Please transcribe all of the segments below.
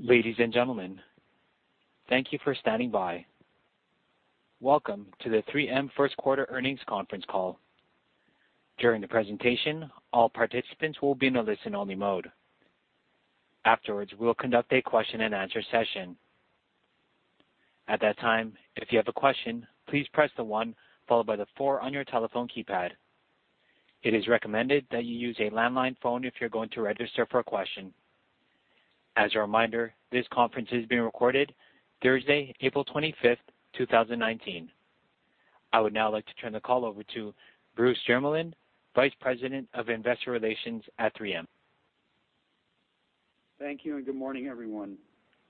Ladies and gentlemen, thank you for standing by. Welcome to the 3M First Quarter Earnings Conference Call. During the presentation, all participants will be in a listen-only mode. Afterwards, we will conduct a question-and-answer session. At that time, if you have a question, please press the one followed by the four on your telephone keypad. It is recommended that you use a landline phone if you're going to register for a question. As a reminder, this conference is being recorded Thursday, April 25th, 2019. I would now like to turn the call over to Bruce Jermeland, Vice President of Investor Relations at 3M. Thank you. Good morning, everyone.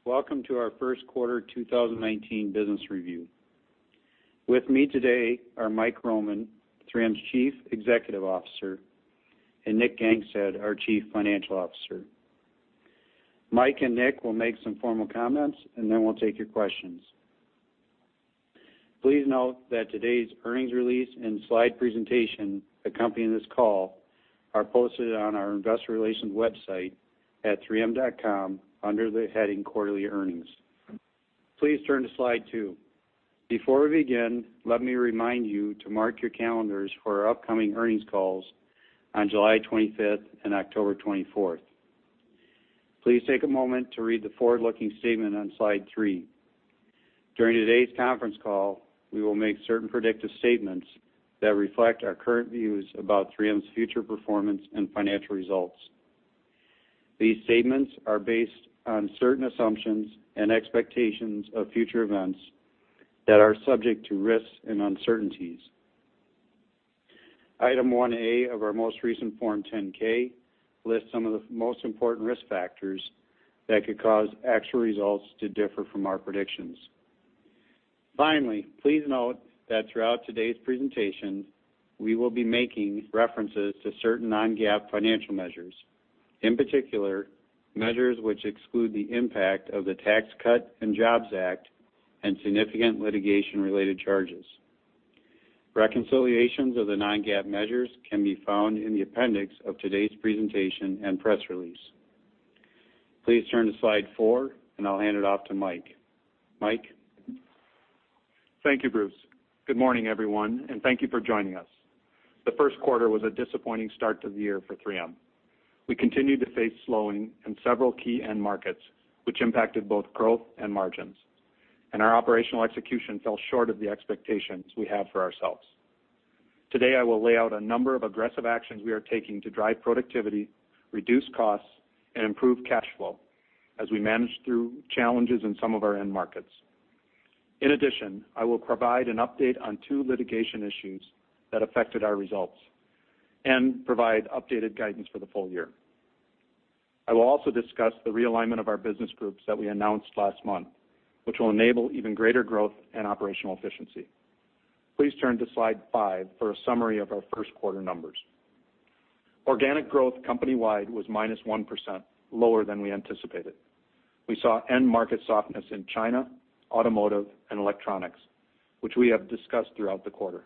Welcome to our first quarter 2019 business review. With me today are Mike Roman, 3M's Chief Executive Officer, and Nick Gangestad, our Chief Financial Officer. Mike and Nick will make some formal comments. Then we'll take your questions. Please note that today's earnings release and slide presentation accompanying this call are posted on our investor relations website at 3m.com under the heading Quarterly Earnings. Please turn to Slide two. Before we begin, let me remind you to mark your calendars for our upcoming earnings calls on July 25th and October 24th. Please take a moment to read the forward-looking statement on Slide three. During today's conference call, we will make certain predictive statements that reflect our current views about 3M's future performance and financial results. These statements are based on certain assumptions and expectations of future events that are subject to risks and uncertainties. Item 1A of our most recent Form 10-K lists some of the most important risk factors that could cause actual results to differ from our predictions. Finally, please note that throughout today's presentation, we will be making references to certain non-GAAP financial measures, in particular, measures which exclude the impact of the Tax Cuts and Jobs Act and significant litigation-related charges. Reconciliations of the non-GAAP measures can be found in the appendix of today's presentation and press release. Please turn to Slide four. I'll hand it off to Mike. Mike? Thank you, Bruce. Good morning, everyone. Thank you for joining us. The first quarter was a disappointing start to the year for 3M. We continued to face slowing in several key end markets, which impacted both growth and margins, and our operational execution fell short of the expectations we have for ourselves. Today, I will lay out a number of aggressive actions we are taking to drive productivity, reduce costs, and improve cash flow as we manage through challenges in some of our end markets. In addition, I will provide an update on two litigation issues that affected our results and provide updated guidance for the full year. I will also discuss the realignment of our business groups that we announced last month, which will enable even greater growth and operational efficiency. Please turn to Slide five for a summary of our first quarter numbers. Organic growth company-wide was -1% lower than we anticipated. We saw end market softness in China, automotive, and electronics, which we have discussed throughout the quarter.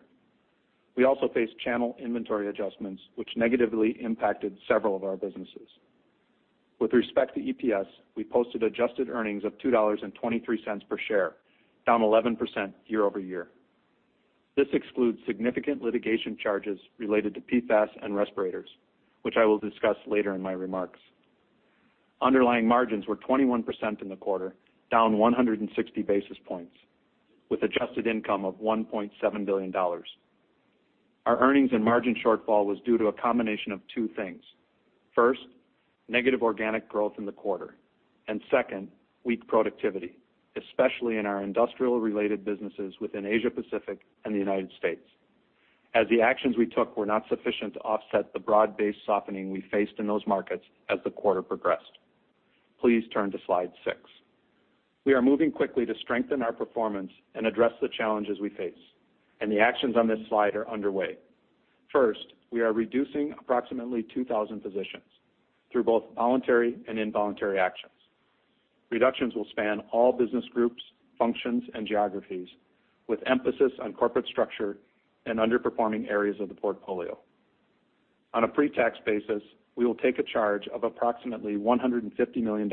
We also faced channel inventory adjustments, which negatively impacted several of our businesses. With respect to EPS, we posted adjusted earnings of $2.23 per share, down 11% year-over-year. This excludes significant litigation charges related to PFAS and respirators, which I will discuss later in my remarks. Underlying margins were 21% in the quarter, down 160 basis points, with adjusted income of $1.7 billion. Our earnings and margin shortfall was due to a combination of two things. First, negative organic growth in the quarter, and second, weak productivity, especially in our industrial-related businesses within Asia-Pacific and the U.S., as the actions we took were not sufficient to offset the broad-based softening we faced in those markets as the quarter progressed. Please turn to Slide six. We are moving quickly to strengthen our performance and address the challenges we face, and the actions on this slide are underway. First, we are reducing approximately 2,000 positions through both voluntary and involuntary actions. Reductions will span all business groups, functions, and geographies, with emphasis on corporate structure and underperforming areas of the portfolio. On a pre-tax basis, we will take a charge of approximately $150 million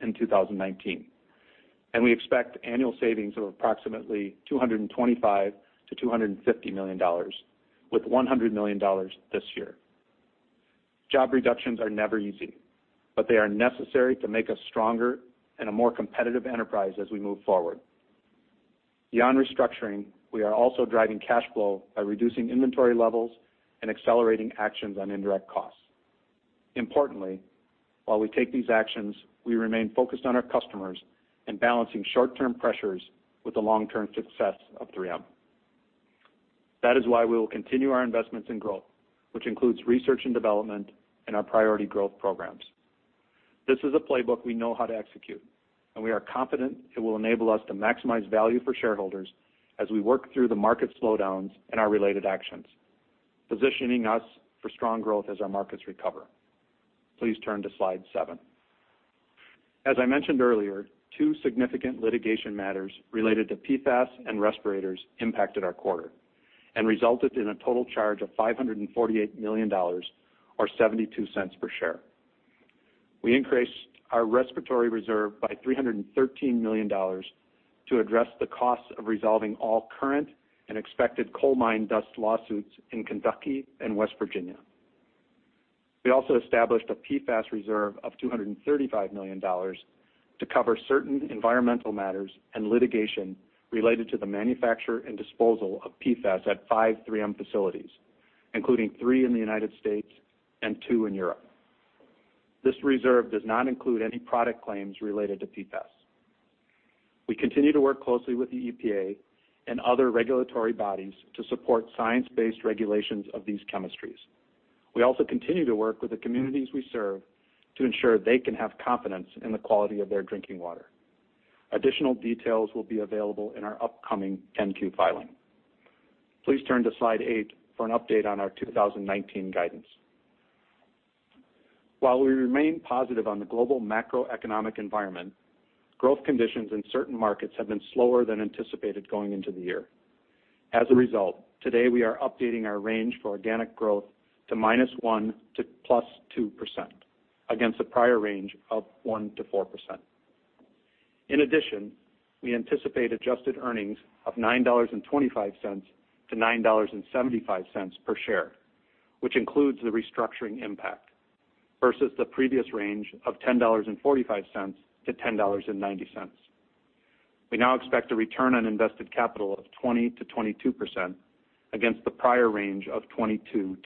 in 2019, and we expect annual savings of approximately $225 million-$250 million, with $100 million this year. Job reductions are never easy, but they are necessary to make us stronger and a more competitive enterprise as we move forward. Beyond restructuring, we are also driving cash flow by reducing inventory levels and accelerating actions on indirect costs. Importantly, while we take these actions, we remain focused on our customers and balancing short-term pressures with the long-term success of 3M. That is why we will continue our investments in growth, which includes research and development and our priority growth programs. This is a playbook we know how to execute, and we are confident it will enable us to maximize value for shareholders as we work through the market slowdowns and our related actions, positioning us for strong growth as our markets recover. Please turn to Slide seven. As I mentioned earlier, two significant litigation matters related to PFAS and respirators impacted our quarter and resulted in a total charge of $548 million, or $0.72 per share. We increased our respiratory reserve by $313 million to address the costs of resolving all current and expected coal mine dust lawsuits in Kentucky and West Virginia. We also established a PFAS reserve of $235 million to cover certain environmental matters and litigation related to the manufacture and disposal of PFAS at five 3M facilities, including three in the U.S. and two in Europe. This reserve does not include any product claims related to PFAS. We continue to work closely with the EPA and other regulatory bodies to support science-based regulations of these chemistries. We also continue to work with the communities we serve to ensure they can have confidence in the quality of their drinking water. Additional details will be available in our upcoming 10-Q filing. Please turn to Slide eight for an update on our 2019 guidance. While we remain positive on the global macroeconomic environment, growth conditions in certain markets have been slower than anticipated going into the year. As a result, today we are updating our range for organic growth to -1% to +2%, against a prior range of 1%-4%. We anticipate adjusted earnings of $9.25-$9.75 per share, which includes the restructuring impact, versus the previous range of $10.45-$10.90. We now expect a return on invested capital of 20%-22% against the prior range of 22%-25%.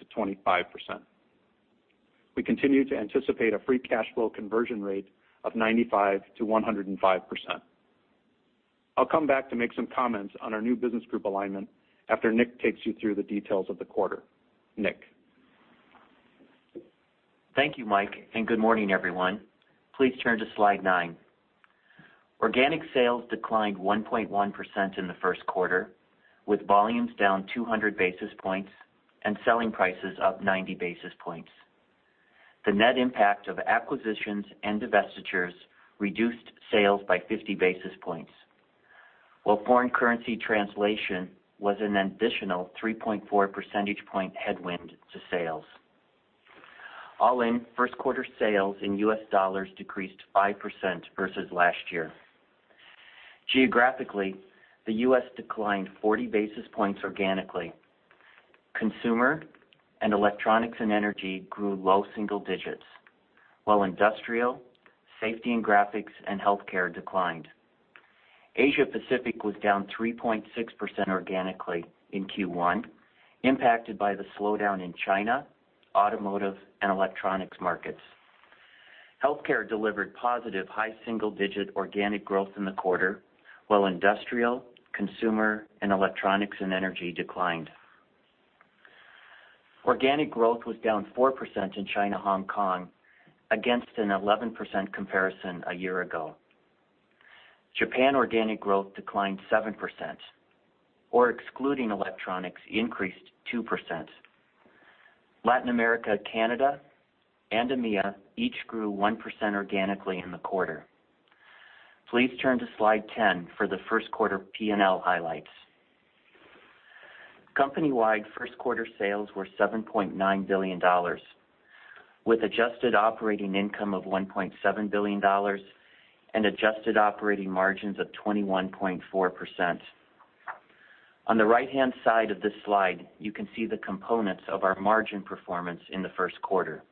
We continue to anticipate a free cash flow conversion rate of 95%-105%. I'll come back to make some comments on our new business group alignment after Nick takes you through the details of the quarter. Nick? Thank you, Mike, and good morning, everyone. Please turn to Slide nine. Organic sales declined 1.1% in the first quarter, with volumes down 200 basis points and selling prices up 90 basis points. The net impact of acquisitions and divestitures reduced sales by 50 basis points, while foreign currency translation was an additional 3.4 percentage point headwind to sales. All in, first quarter sales in U.S. dollars decreased 5% versus last year. Geographically, the U.S. declined 40 basis points organically. Consumer and electronics and energy grew low single digits, while industrial, safety and graphics, and healthcare declined. Asia Pacific was down 3.6% organically in Q1, impacted by the slowdown in China, automotive, and electronics markets. Healthcare delivered positive high single-digit organic growth in the quarter, while industrial, consumer, and electronics and energy declined. Organic growth was down 4% in China/Hong Kong against an 11% comparison a year ago. Japan organic growth declined 7%, or excluding electronics, increased 2%. Latin America, Canada, and EMEA each grew 1% organically in the quarter. Please turn to Slide 10 for the first quarter P&L highlights. Company-wide first quarter sales were $7.9 billion, with adjusted operating income of $1.7 billion and adjusted operating margins of 21.4%. On the right-hand side of this slide, you can see the components of our margin performance in the first quarter.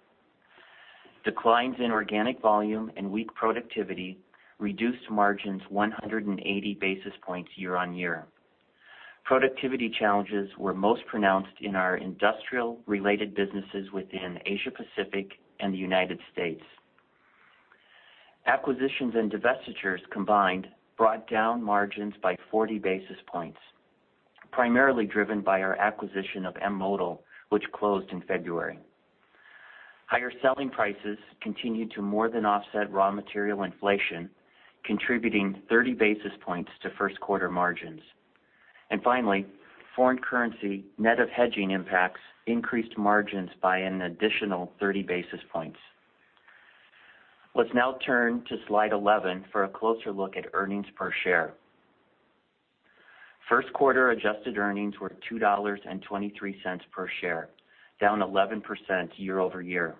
Declines in organic volume and weak productivity reduced margins 180 basis points year-on-year. Productivity challenges were most pronounced in our industrial-related businesses within Asia Pacific and the United States. Acquisitions and divestitures combined brought down margins by 40 basis points, primarily driven by our acquisition of M*Modal, which closed in February. Higher selling prices continued to more than offset raw material inflation, contributing 30 basis points to first quarter margins. Foreign currency net of hedging impacts increased margins by an additional 30 basis points. Let's now turn to Slide 11 for a closer look at earnings per share. First quarter adjusted earnings were $2.23 per share, down 11% year-over-year.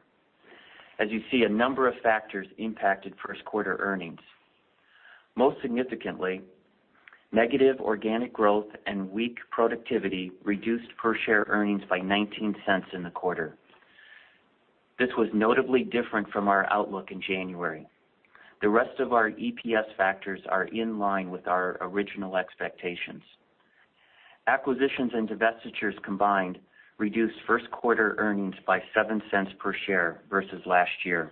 A number of factors impacted first quarter earnings. Most significantly, negative organic growth and weak productivity reduced per share earnings by $0.19 in the quarter. This was notably different from our outlook in January. The rest of our EPS factors are in line with our original expectations. Acquisitions and divestitures combined reduced first quarter earnings by $0.07 per share versus last year.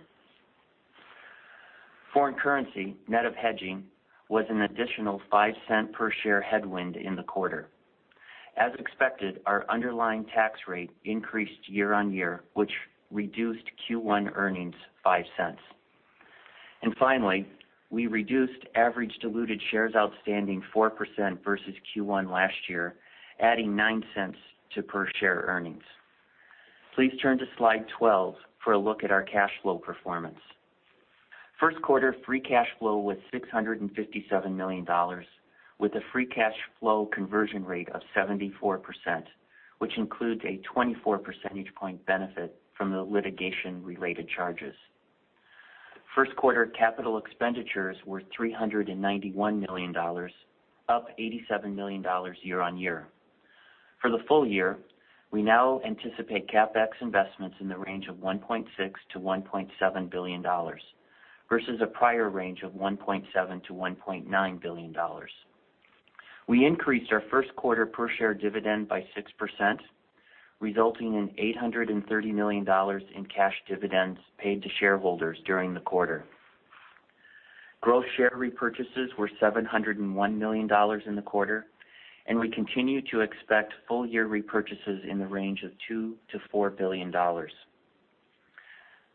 Foreign currency, net of hedging, was an additional $0.05 per share headwind in the quarter. Our underlying tax rate increased year-on-year, which reduced Q1 earnings $0.05. Finally, we reduced average diluted shares outstanding 4% versus Q1 last year, adding $0.09 to per share earnings. Please turn to Slide 12 for a look at our cash flow performance. First-quarter free cash flow was $657 million, with a free cash flow conversion rate of 74%, which includes a 24 percentage point benefit from the litigation-related charges. First-quarter capital expenditures were $391 million, up $87 million year-on-year. For the full year, we now anticipate CapEx investments in the range of $1.6 billion-$1.7 billion, versus a prior range of $1.7 billion-$1.9 billion. We increased our first quarter per share dividend by 6%, resulting in $830 million in cash dividends paid to shareholders during the quarter. Gross share repurchases were $701 million in the quarter, and we continue to expect full-year repurchases in the range of $2 billion-$4 billion.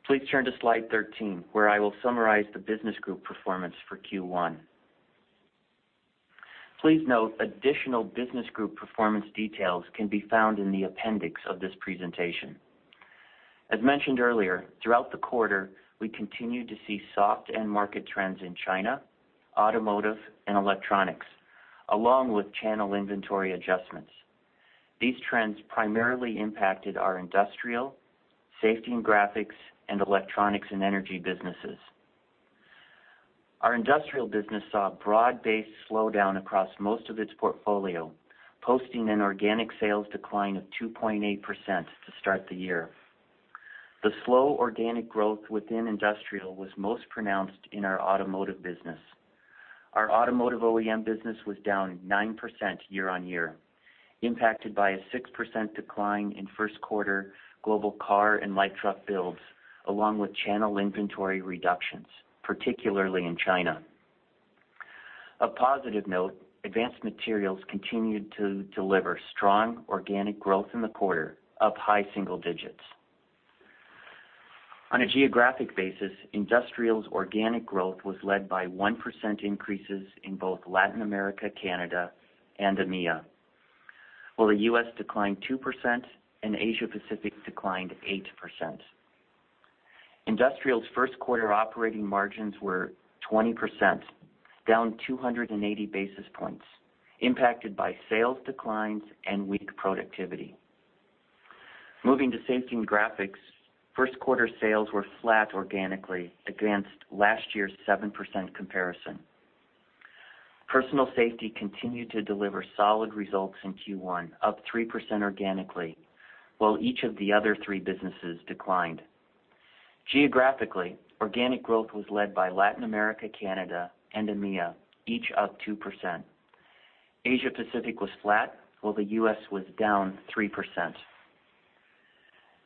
Please turn to Slide 13, where I will summarize the business group performance for Q1. Please note, additional business group performance details can be found in the appendix of this presentation. Mentioned earlier, throughout the quarter, we continued to see soft end market trends in China, automotive, and electronics, along with channel inventory adjustments. These trends primarily impacted our Industrial, Safety and Graphics, and Electronics and Energy businesses. Our Industrial business saw a broad-based slowdown across most of its portfolio, posting an organic sales decline of 2.8% to start the year. The slow organic growth within Industrial was most pronounced in our Automotive business. Our Automotive OEM business was down 9% year-on-year, impacted by a 6% decline in first-quarter global car and light truck builds, along with channel inventory reductions, particularly in China. Of positive note, Advanced Materials continued to deliver strong organic growth in the quarter, up high single digits. On a geographic basis, Industrial's organic growth was led by 1% increases in both Latin America, Canada, and EMEA, while the U.S. declined 2% and Asia-Pacific declined 8%. Industrial's first-quarter operating margins were 20%, down 280 basis points, impacted by sales declines and weak productivity. Moving to Safety and Graphics, first-quarter sales were flat organically against last year's 7% comparison. Personal Safety continued to deliver solid results in Q1, up 3% organically, while each of the other three businesses declined. Geographically, organic growth was led by Latin America, Canada, and EMEA, each up 2%. Asia-Pacific was flat, while the U.S. was down 3%.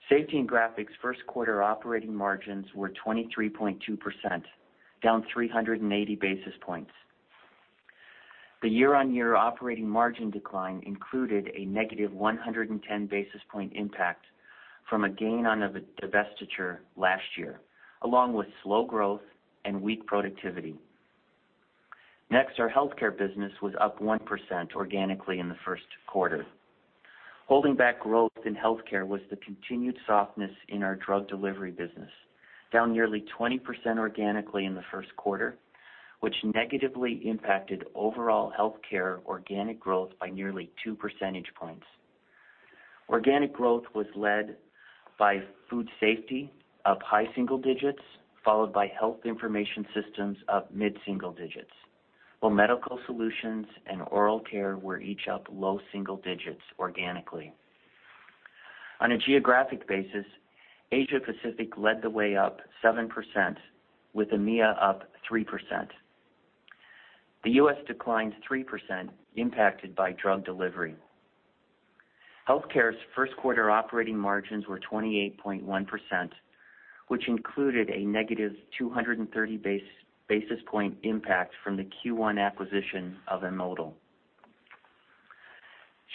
Safety and Graphics first-quarter operating margins were 23.2%, down 380 basis points. The year-on-year operating margin decline included a negative 110 basis point impact from a gain on a divestiture last year, along with slow growth and weak productivity. Next, our Healthcare business was up 1% organically in the first quarter. Holding back growth in Healthcare was the continued softness in our Drug Delivery business, down nearly 20% organically in the first quarter, which negatively impacted overall Healthcare organic growth by nearly two percentage points. Organic growth was led by Food Safety, up high single digits, followed by Health Information Systems, up mid-single digits, while Medical Solutions and Oral Care were each up low single digits organically. On a geographic basis, Asia-Pacific led the way up 7%, with EMEA up 3%. The U.S. declined 3%, impacted by Drug Delivery. Healthcare's first-quarter operating margins were 28.1%, which included a negative 230 basis point impact from the Q1 acquisition of M*Modal.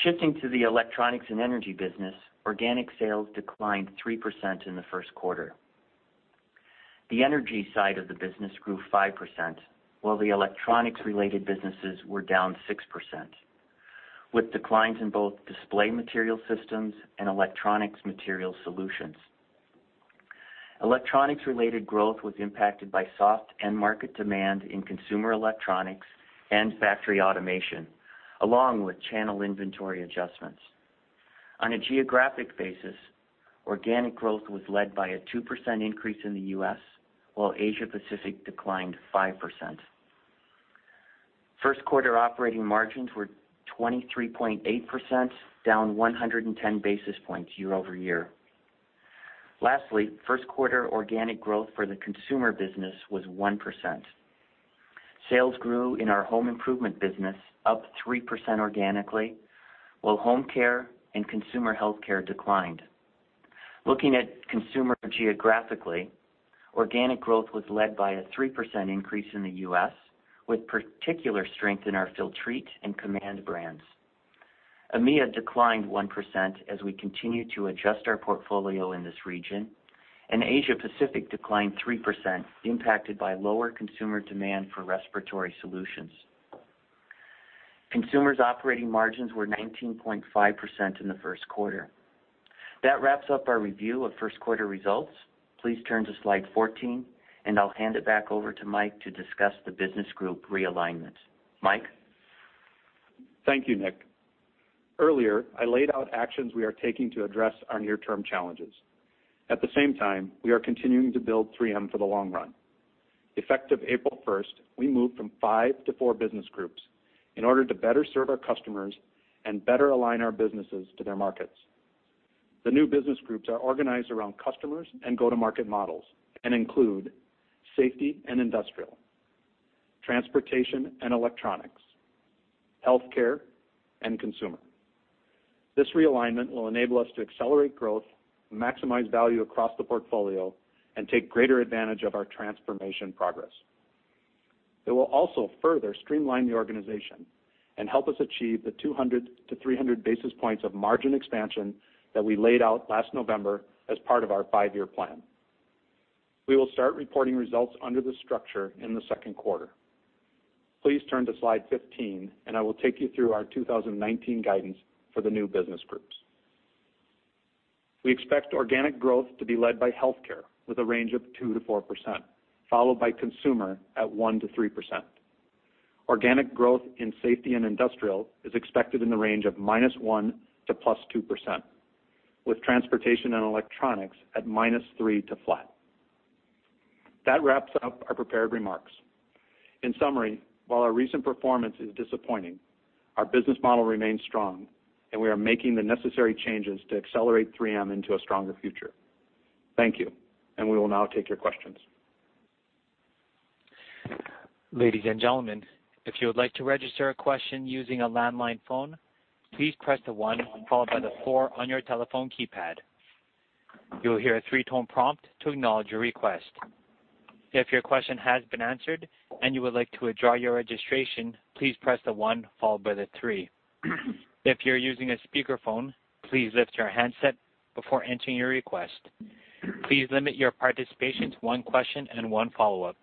Shifting to the electronics and energy business, organic sales declined 3% in the first quarter. The energy side of the business grew 5%, while the electronics-related businesses were down 6%, with declines in both Display Material Systems and Electronics Material Solutions. Electronics-related growth was impacted by soft end market demand in consumer electronics and factory automation, along with channel inventory adjustments. On a geographic basis, organic growth was led by a 2% increase in the U.S., while Asia-Pacific declined 5%. First-quarter operating margins were 23.8%, down 110 basis points year-over-year. Lastly, first-quarter organic growth for the consumer business was 1%. Sales grew in our Home Improvement business, up 3% organically, while Home Care and Consumer Health Care declined. Looking at consumer geographically, organic growth was led by a 3% increase in the U.S., with particular strength in our Filtrete and Command brands. EMEA declined 1% as we continue to adjust our portfolio in this region, and Asia-Pacific declined 3%, impacted by lower consumer demand for respiratory solutions. Consumers operating margins were 19.5% in the first quarter. That wraps up our review of first quarter results. Please turn to slide 14, and I'll hand it back over to Mike to discuss the business group realignment. Mike? Thank you, Nick. Earlier, I laid out actions we are taking to address our near-term challenges. At the same time, we are continuing to build 3M for the long run. Effective April 1st, we moved from five to four business groups in order to better serve our customers and better align our businesses to their markets. The new business groups are organized around customers and go-to-market models and include Safety and Industrial, Transportation and Electronics, Healthcare, and Consumer. This realignment will enable us to accelerate growth, maximize value across the portfolio, and take greater advantage of our transformation progress. It will also further streamline the organization and help us achieve the 200 to 300 basis points of margin expansion that we laid out last November as part of our five-year plan. We will start reporting results under this structure in the second quarter. Please turn to slide 15, and I will take you through our 2019 guidance for the new business groups. We expect organic growth to be led by Healthcare with a range of 2% to 4%, followed by Consumer at 1% to 3%. Organic growth in Safety and Industrial is expected in the range of minus 1% to plus 2%, with Transportation and Electronics at minus 3% to flat. That wraps up our prepared remarks. In summary, while our recent performance is disappointing, our business model remains strong, and we are making the necessary changes to accelerate 3M into a stronger future. Thank you. We will now take your questions. Ladies and gentlemen, if you would like to register a question using a landline phone, please press the one followed by the four on your telephone keypad. You will hear a three-tone prompt to acknowledge your request. If your question has been answered and you would like to withdraw your registration, please press the one followed by the three. If you're using a speakerphone, please lift your handset before entering your request. Please limit your participation to one question and one follow-up.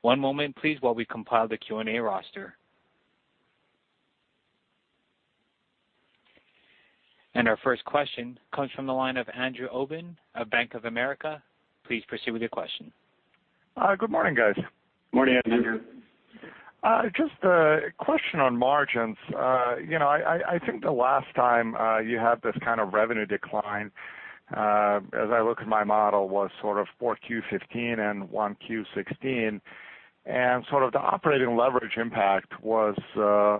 One moment, please, while we compile the Q&A roster. Our first question comes from the line of Andrew Obin of Bank of America. Please proceed with your question. Good morning, guys. Morning, Andrew. Just a question on margins. I think the last time you had this kind of revenue decline, as I look at my model, was sort of 4Q15 and 1Q16, and sort of the operating leverage impact was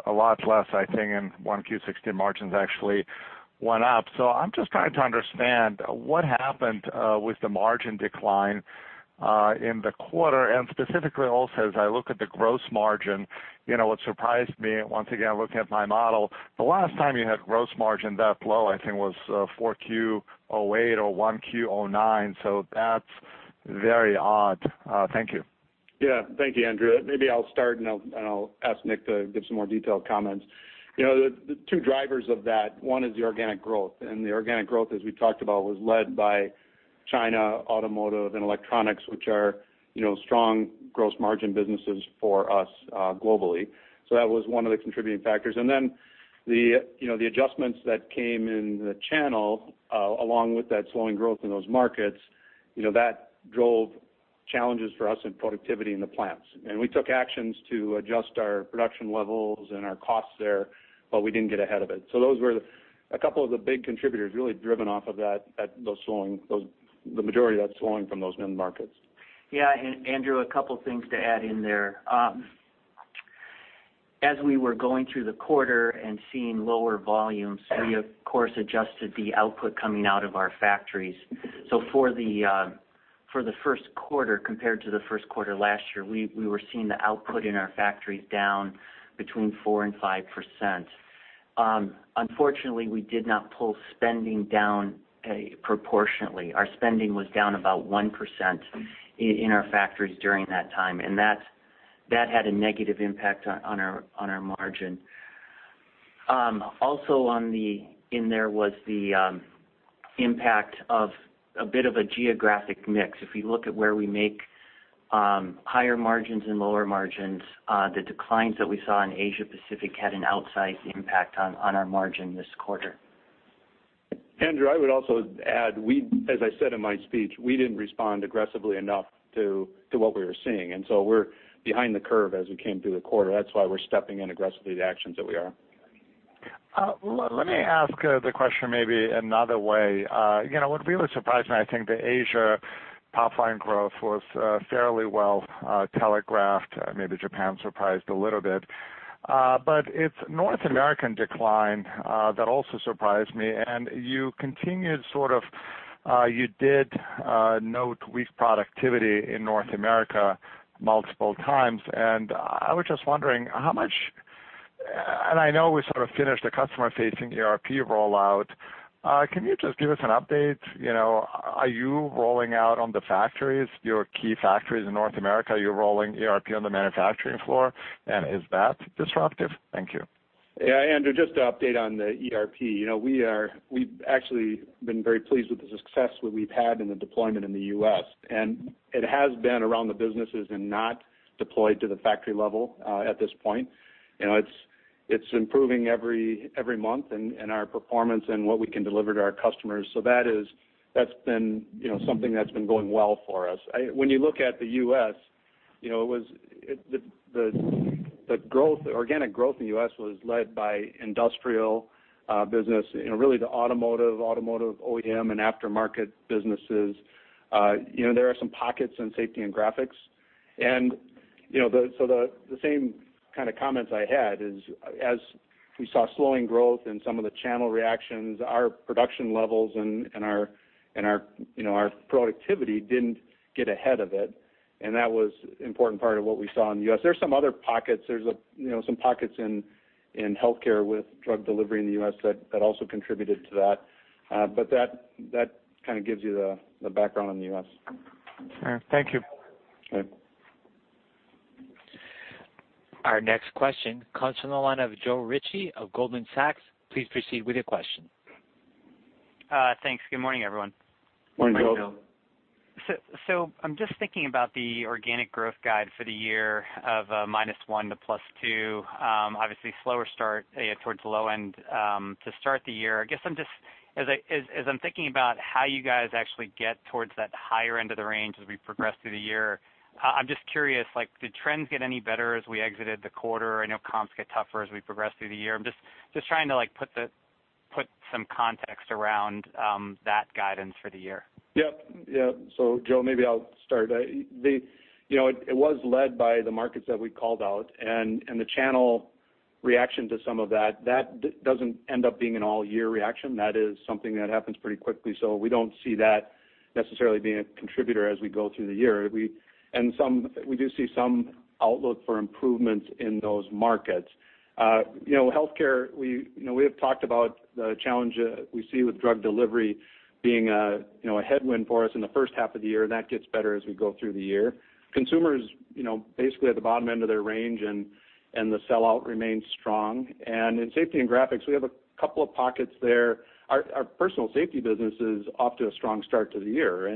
a lot less, I think, in 1Q16. Margins actually went up. I'm just trying to understand what happened with the margin decline in the quarter. Specifically also, as I look at the gross margin, what surprised me, once again, looking at my model, the last time you had gross margin that low, I think, was 4Q08 or 1Q09. That's very odd. Thank you. Yeah. Thank you, Andrew. Maybe I'll start, I'll ask Nick to give some more detailed comments. The two drivers of that, one is the organic growth, and the organic growth, as we talked about, was led by China, automotive, and electronics, which are strong gross margin businesses for us globally. That was one of the contributing factors. The adjustments that came in the channel along with that slowing growth in those markets, that drove challenges for us in productivity in the plants. We took actions to adjust our production levels and our costs there, but we didn't get ahead of it. Those were a couple of the big contributors really driven off of the majority of that slowing from those main markets. Yeah, Andrew, a couple of things to add in there. As we were going through the quarter and seeing lower volumes, we of course adjusted the output coming out of our factories. For the first quarter compared to the first quarter last year, we were seeing the output in our factories down between 4%-5%. Unfortunately, we did not pull spending down proportionately. Our spending was down about 1% in our factories during that time, that had a negative impact on our margin. Also in there was the impact of a bit of a geographic mix. If you look at where we make higher margins and lower margins, the declines that we saw in Asia Pacific had an outsized impact on our margin this quarter. Andrew, I would also add, as I said in my speech, I didn't respond aggressively enough to what we were seeing, we're behind the curve as we came through the quarter. That's why we're stepping in aggressively, the actions that we are. Let me ask the question maybe another way. What really surprised me, I think the Asia top line growth was fairly well telegraphed. Maybe Japan surprised a little bit. It's North American decline that also surprised me. You continued, you did note weak productivity in North America multiple times, I was just wondering. I know we finished the customer-facing ERP rollout. Can you just give us an update? Are you rolling out on the factories, your key factories in North America? Are you rolling ERP on the manufacturing floor, is that disruptive? Thank you. Yeah, Andrew, just to update on the ERP. We've actually been very pleased with the success that we've had in the deployment in the U.S., and it has been around the businesses and not deployed to the factory level at this point. It's improving every month in our performance and what we can deliver to our customers. That's been something that's been going well for us. When you look at the U.S., the organic growth in the U.S. was led by industrial business, really the automotive OEM, and aftermarket businesses. There are some pockets in safety and graphics. The same kind of comments I had is, as we saw slowing growth in some of the channel reactions, our production levels and our productivity didn't get ahead of it, and that was important part of what we saw in the U.S. There's some other pockets. There's some pockets in healthcare with drug delivery in the U.S. that also contributed to that. That kind of gives you the background on the U.S. All right. Thank you. Okay. Our next question comes from the line of Joe Ritchie of Goldman Sachs. Please proceed with your question. Thanks. Good morning, everyone. Morning, Joe. I'm just thinking about the organic growth guide for the year of a -1 to +2. Obviously slower start towards the low end to start the year. I guess as I'm thinking about how you guys actually get towards that higher end of the range as we progress through the year, I'm just curious, did trends get any better as we exited the quarter? I know comps get tougher as we progress through the year. I'm just trying to put some context around that guidance for the year. Yep. Joe, maybe I'll start. It was led by the markets that we called out and the channel reaction to some of that. That doesn't end up being an all-year reaction. That is something that happens pretty quickly, so we don't see that necessarily being a contributor as we go through the year. We do see some outlook for improvements in those markets. Healthcare, we have talked about the challenge we see with drug delivery being a headwind for us in the first half of the year, and that gets better as we go through the year. Consumer is basically at the bottom end of their range, and the sell-out remains strong. And in Safety and Graphics, we have a couple of pockets there. Our personal safety business is off to a strong start to the year,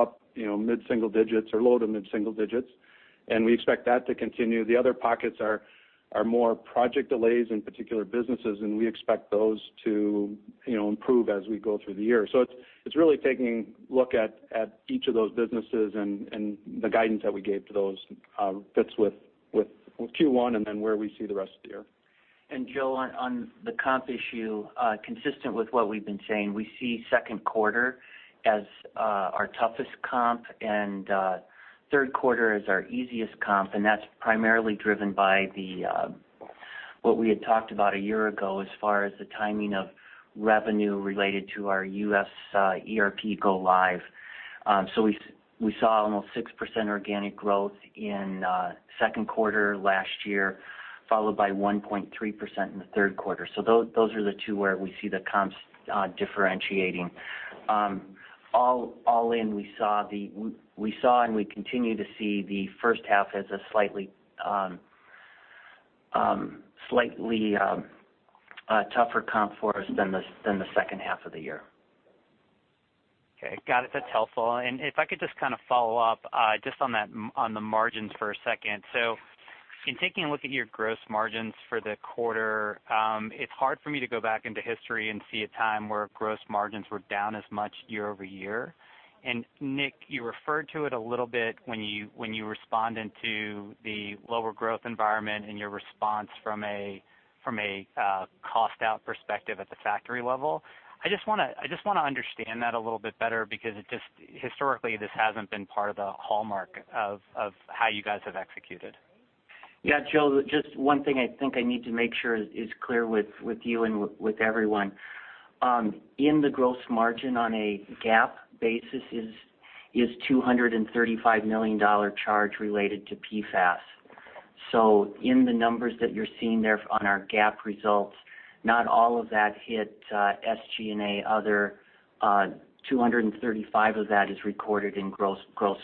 up mid-single digits or low-to-mid single digits. We expect that to continue. The other pockets are more project delays in particular businesses. We expect those to improve as we go through the year. It's really taking a look at each of those businesses and the guidance that we gave to those fits with Q1 and then where we see the rest of the year. Joe, on the comp issue, consistent with what we've been saying, we see second quarter as our toughest comp and third quarter as our easiest comp. That's primarily driven by what we had talked about a year ago as far as the timing of revenue related to our U.S. ERP go live. We saw almost 6% organic growth in second quarter last year, followed by 1.3% in the third quarter. Those are the two where we see the comps differentiating. All in, we saw and we continue to see the first half as a slightly tougher comp for us than the second half of the year. Okay. Got it. That's helpful. If I could just kind of follow up just on the margins for a second. In taking a look at your gross margins for the quarter, it's hard for me to go back into history and see a time where gross margins were down as much year-over-year. Nick, you referred to it a little bit when you responded to the lower growth environment and your response from a cost-out perspective at the factory level. I just want to understand that a little bit better because historically, this hasn't been part of the hallmark of how you guys have executed. Joe, just one thing I think I need to make sure is clear with you and with everyone. In the gross margin on a GAAP basis is a $235 million charge related to PFAS. In the numbers that you're seeing there on our GAAP results, not all of that hit SG&A. Other $235 of that is recorded in gross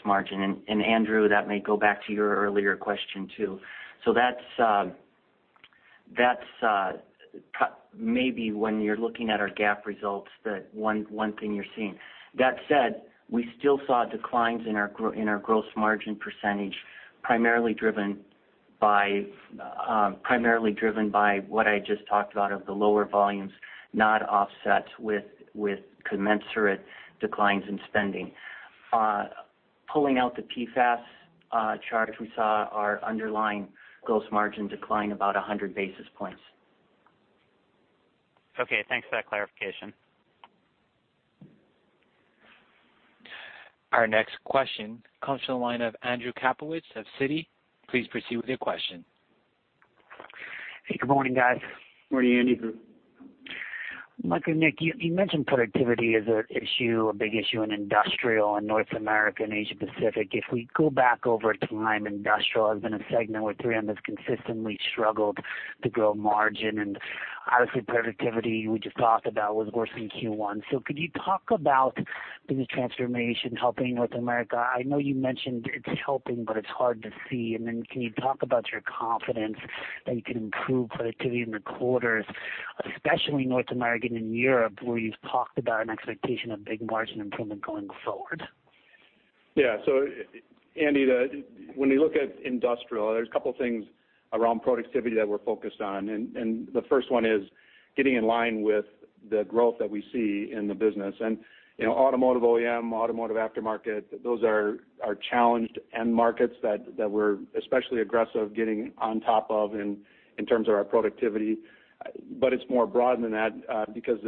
margin. Andrew, that may go back to your earlier question, too. That's maybe when you're looking at our GAAP results, the one thing you're seeing. That said, we still saw declines in our gross margin percentage, primarily driven by what I just talked about of the lower volumes, not offset with commensurate declines in spending. Pulling out the PFAS charge, we saw our underlying gross margin decline about 100 basis points. Okay. Thanks for that clarification. Our next question comes from the line of Andrew Kaplowitz of Citi. Please proceed with your question. Hey, good morning, guys. Morning, Andrew. Mike and Nick, you mentioned productivity is an issue, a big issue in Industrial in North America and Asia Pacific. If we go back over time, Industrial has been a segment where 3M has consistently struggled to grow margin, and obviously productivity we just talked about was worse in Q1. Could you talk about business transformation helping North America? I know you mentioned it's helping, but it's hard to see. Then can you talk about your confidence that you can improve productivity in the quarters, especially North America and Europe, where you've talked about an expectation of big margin improvement going forward? Yeah. Andy, when we look at Industrial, there's a couple of things around productivity that we're focused on, the first one is getting in line with the growth that we see in the business. Automotive OEM, automotive aftermarket, those are challenged end markets that we're especially aggressive getting on top of in terms of our productivity. It's more broad than that because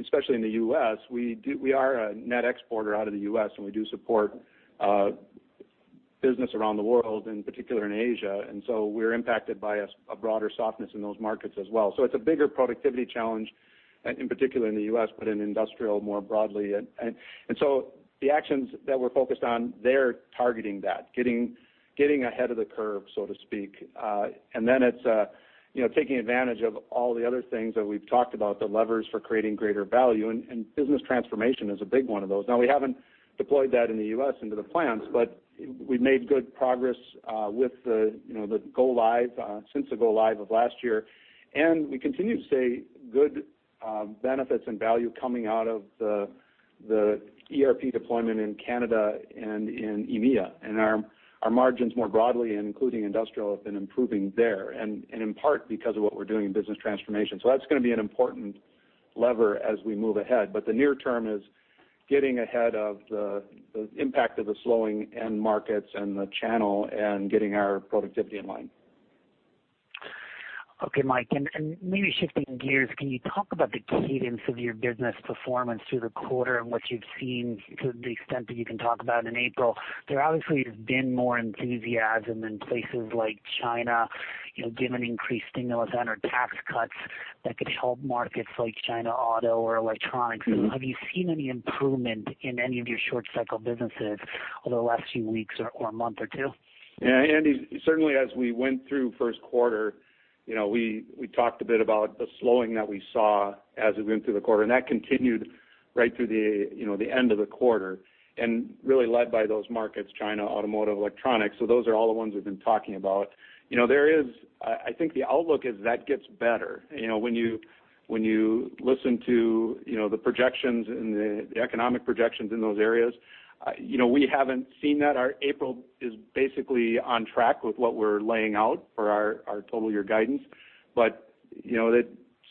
especially in the U.S., we are a net exporter out of the U.S., we do support business around the world, in particular in Asia, we're impacted by a broader softness in those markets as well. It's a bigger productivity challenge, in particular in the U.S., but in Industrial more broadly. The actions that we're focused on, they're targeting that, getting ahead of the curve, so to speak. It's taking advantage of all the other things that we've talked about, the levers for creating greater value, business transformation is a big one of those. Now, we haven't deployed that in the U.S. into the plans, but we've made good progress with the go-live, since the go-live of last year, we continue to see good benefits and value coming out of the ERP deployment in Canada and in EMEA. Our margins more broadly, including Industrial, have been improving there, in part because of what we're doing in business transformation. That's going to be an important lever as we move ahead. The near term is getting ahead of the impact of the slowing end markets and the channel and getting our productivity in line. Okay, Mike, maybe shifting gears, can you talk about the cadence of your business performance through the quarter and what you've seen to the extent that you can talk about in April? There obviously has been more enthusiasm in places like China, given increased stimulus and/or tax cuts that could help markets like China auto or electronics. Have you seen any improvement in any of your short cycle businesses over the last few weeks or month or two? Yeah, Andy, certainly as we went through first quarter, we talked a bit about the slowing that we saw as we went through the quarter, that continued right through the end of the quarter and really led by those markets, China, automotive, electronics. Those are all the ones we've been talking about. I think the outlook is that gets better. When you listen to the projections and the economic projections in those areas, we haven't seen that. Our April is basically on track with what we're laying out for our total year guidance.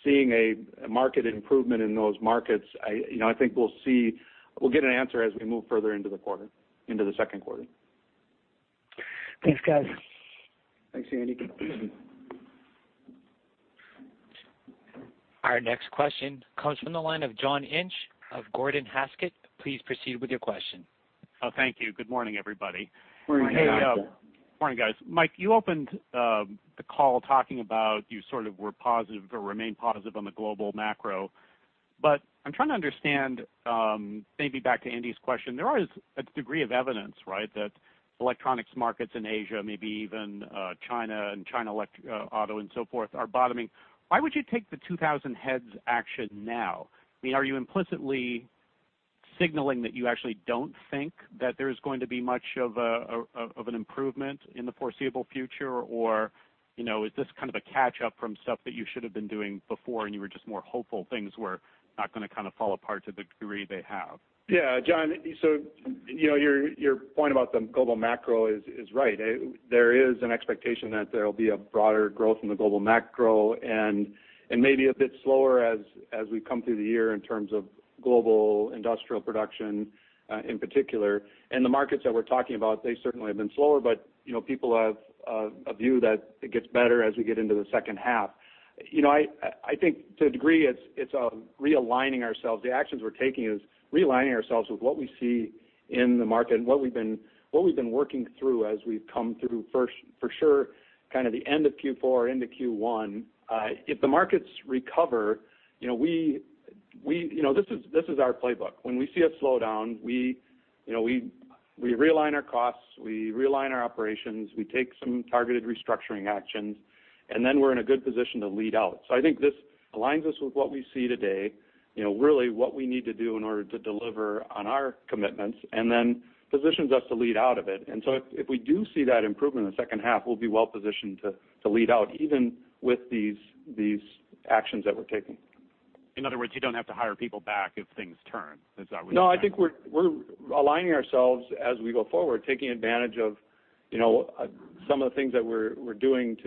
Seeing a market improvement in those markets, I think we'll get an answer as we move further into the quarter, into the second quarter. Thanks, guys. Thanks, Andy. Our next question comes from the line of John Inch of Gordon Haskett. Please proceed with your question. Thank you. Good morning, everybody. Morning, John. Morning, guys. Mike, you opened the call talking about you sort of were positive or remain positive on the global macro. I'm trying to understand, maybe back to Andy's question, there is a degree of evidence, right, that electronics markets in Asia, maybe even China and China auto and so forth, are bottoming. Why would you take the 2,000 heads action now? I mean, are you implicitly signaling that you actually don't think that there's going to be much of an improvement in the foreseeable future? Is this kind of a catch-up from stuff that you should have been doing before and you were just more hopeful things were not going to kind of fall apart to the degree they have? Yeah, John, your point about the global macro is right. There is an expectation that there will be a broader growth in the global macro and maybe a bit slower as we come through the year in terms of global industrial production in particular. The markets that we're talking about, they certainly have been slower, but people have a view that it gets better as we get into the second half. I think to a degree, it's realigning ourselves. The actions we're taking is realigning ourselves with what we see in the market and what we've been working through as we've come through first, for sure, kind of the end of Q4 into Q1. If the markets recover, this is our playbook. When we see a slowdown, we realign our costs, we realign our operations, we take some targeted restructuring actions, then we're in a good position to lead out. I think this aligns us with what we see today, really what we need to do in order to deliver on our commitments, then positions us to lead out of it. If we do see that improvement in the second half, we'll be well positioned to lead out even with these actions that we're taking. In other words, you don't have to hire people back if things turn. Is that what you're saying? No, I think we're aligning ourselves as we go forward, taking advantage of some of the things that we're doing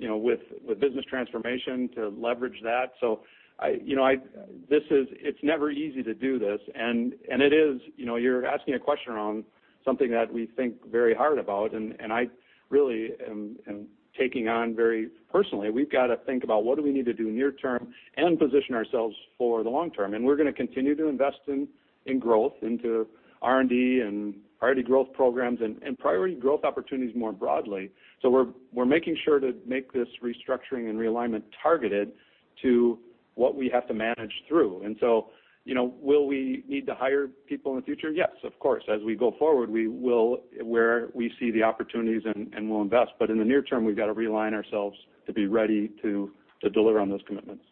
with business transformation to leverage that. It's never easy to do this, and you're asking a question around something that we think very hard about, and I really am taking on very personally. We've got to think about what do we need to do near term and position ourselves for the long term. We're going to continue to invest in growth into R&D and R&D growth programs and priority growth opportunities more broadly. We're making sure to make this restructuring and realignment targeted to what we have to manage through. Will we need to hire people in the future? Yes, of course. As we go forward, we will, where we see the opportunities, and we'll invest. In the near term, we've got to realign ourselves to be ready to deliver on those commitments.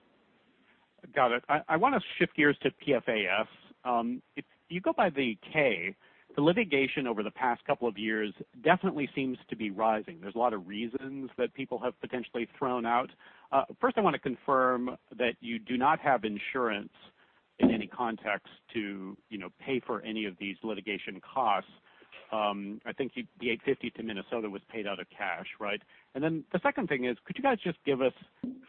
Got it. I want to shift gears to PFAS. If you go by the 10-K, the litigation over the past couple of years definitely seems to be rising. There's a lot of reasons that people have potentially thrown out. First, I want to confirm that you do not have insurance to pay for any of these litigation costs. I think the $8.50 to Minnesota was paid out of cash, right? The second thing is, could you guys just give us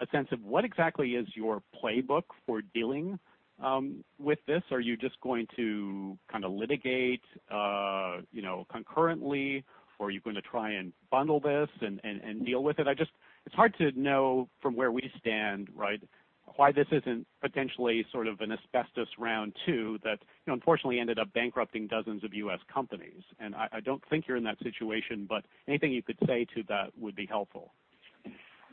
a sense of what exactly is your playbook for dealing with this? Are you just going to litigate concurrently, or are you going to try and bundle this and deal with it? It's hard to know from where we stand, right, why this isn't potentially sort of an asbestos round two that unfortunately ended up bankrupting dozens of U.S. companies. I don't think you're in that situation. Anything you could say to that would be helpful.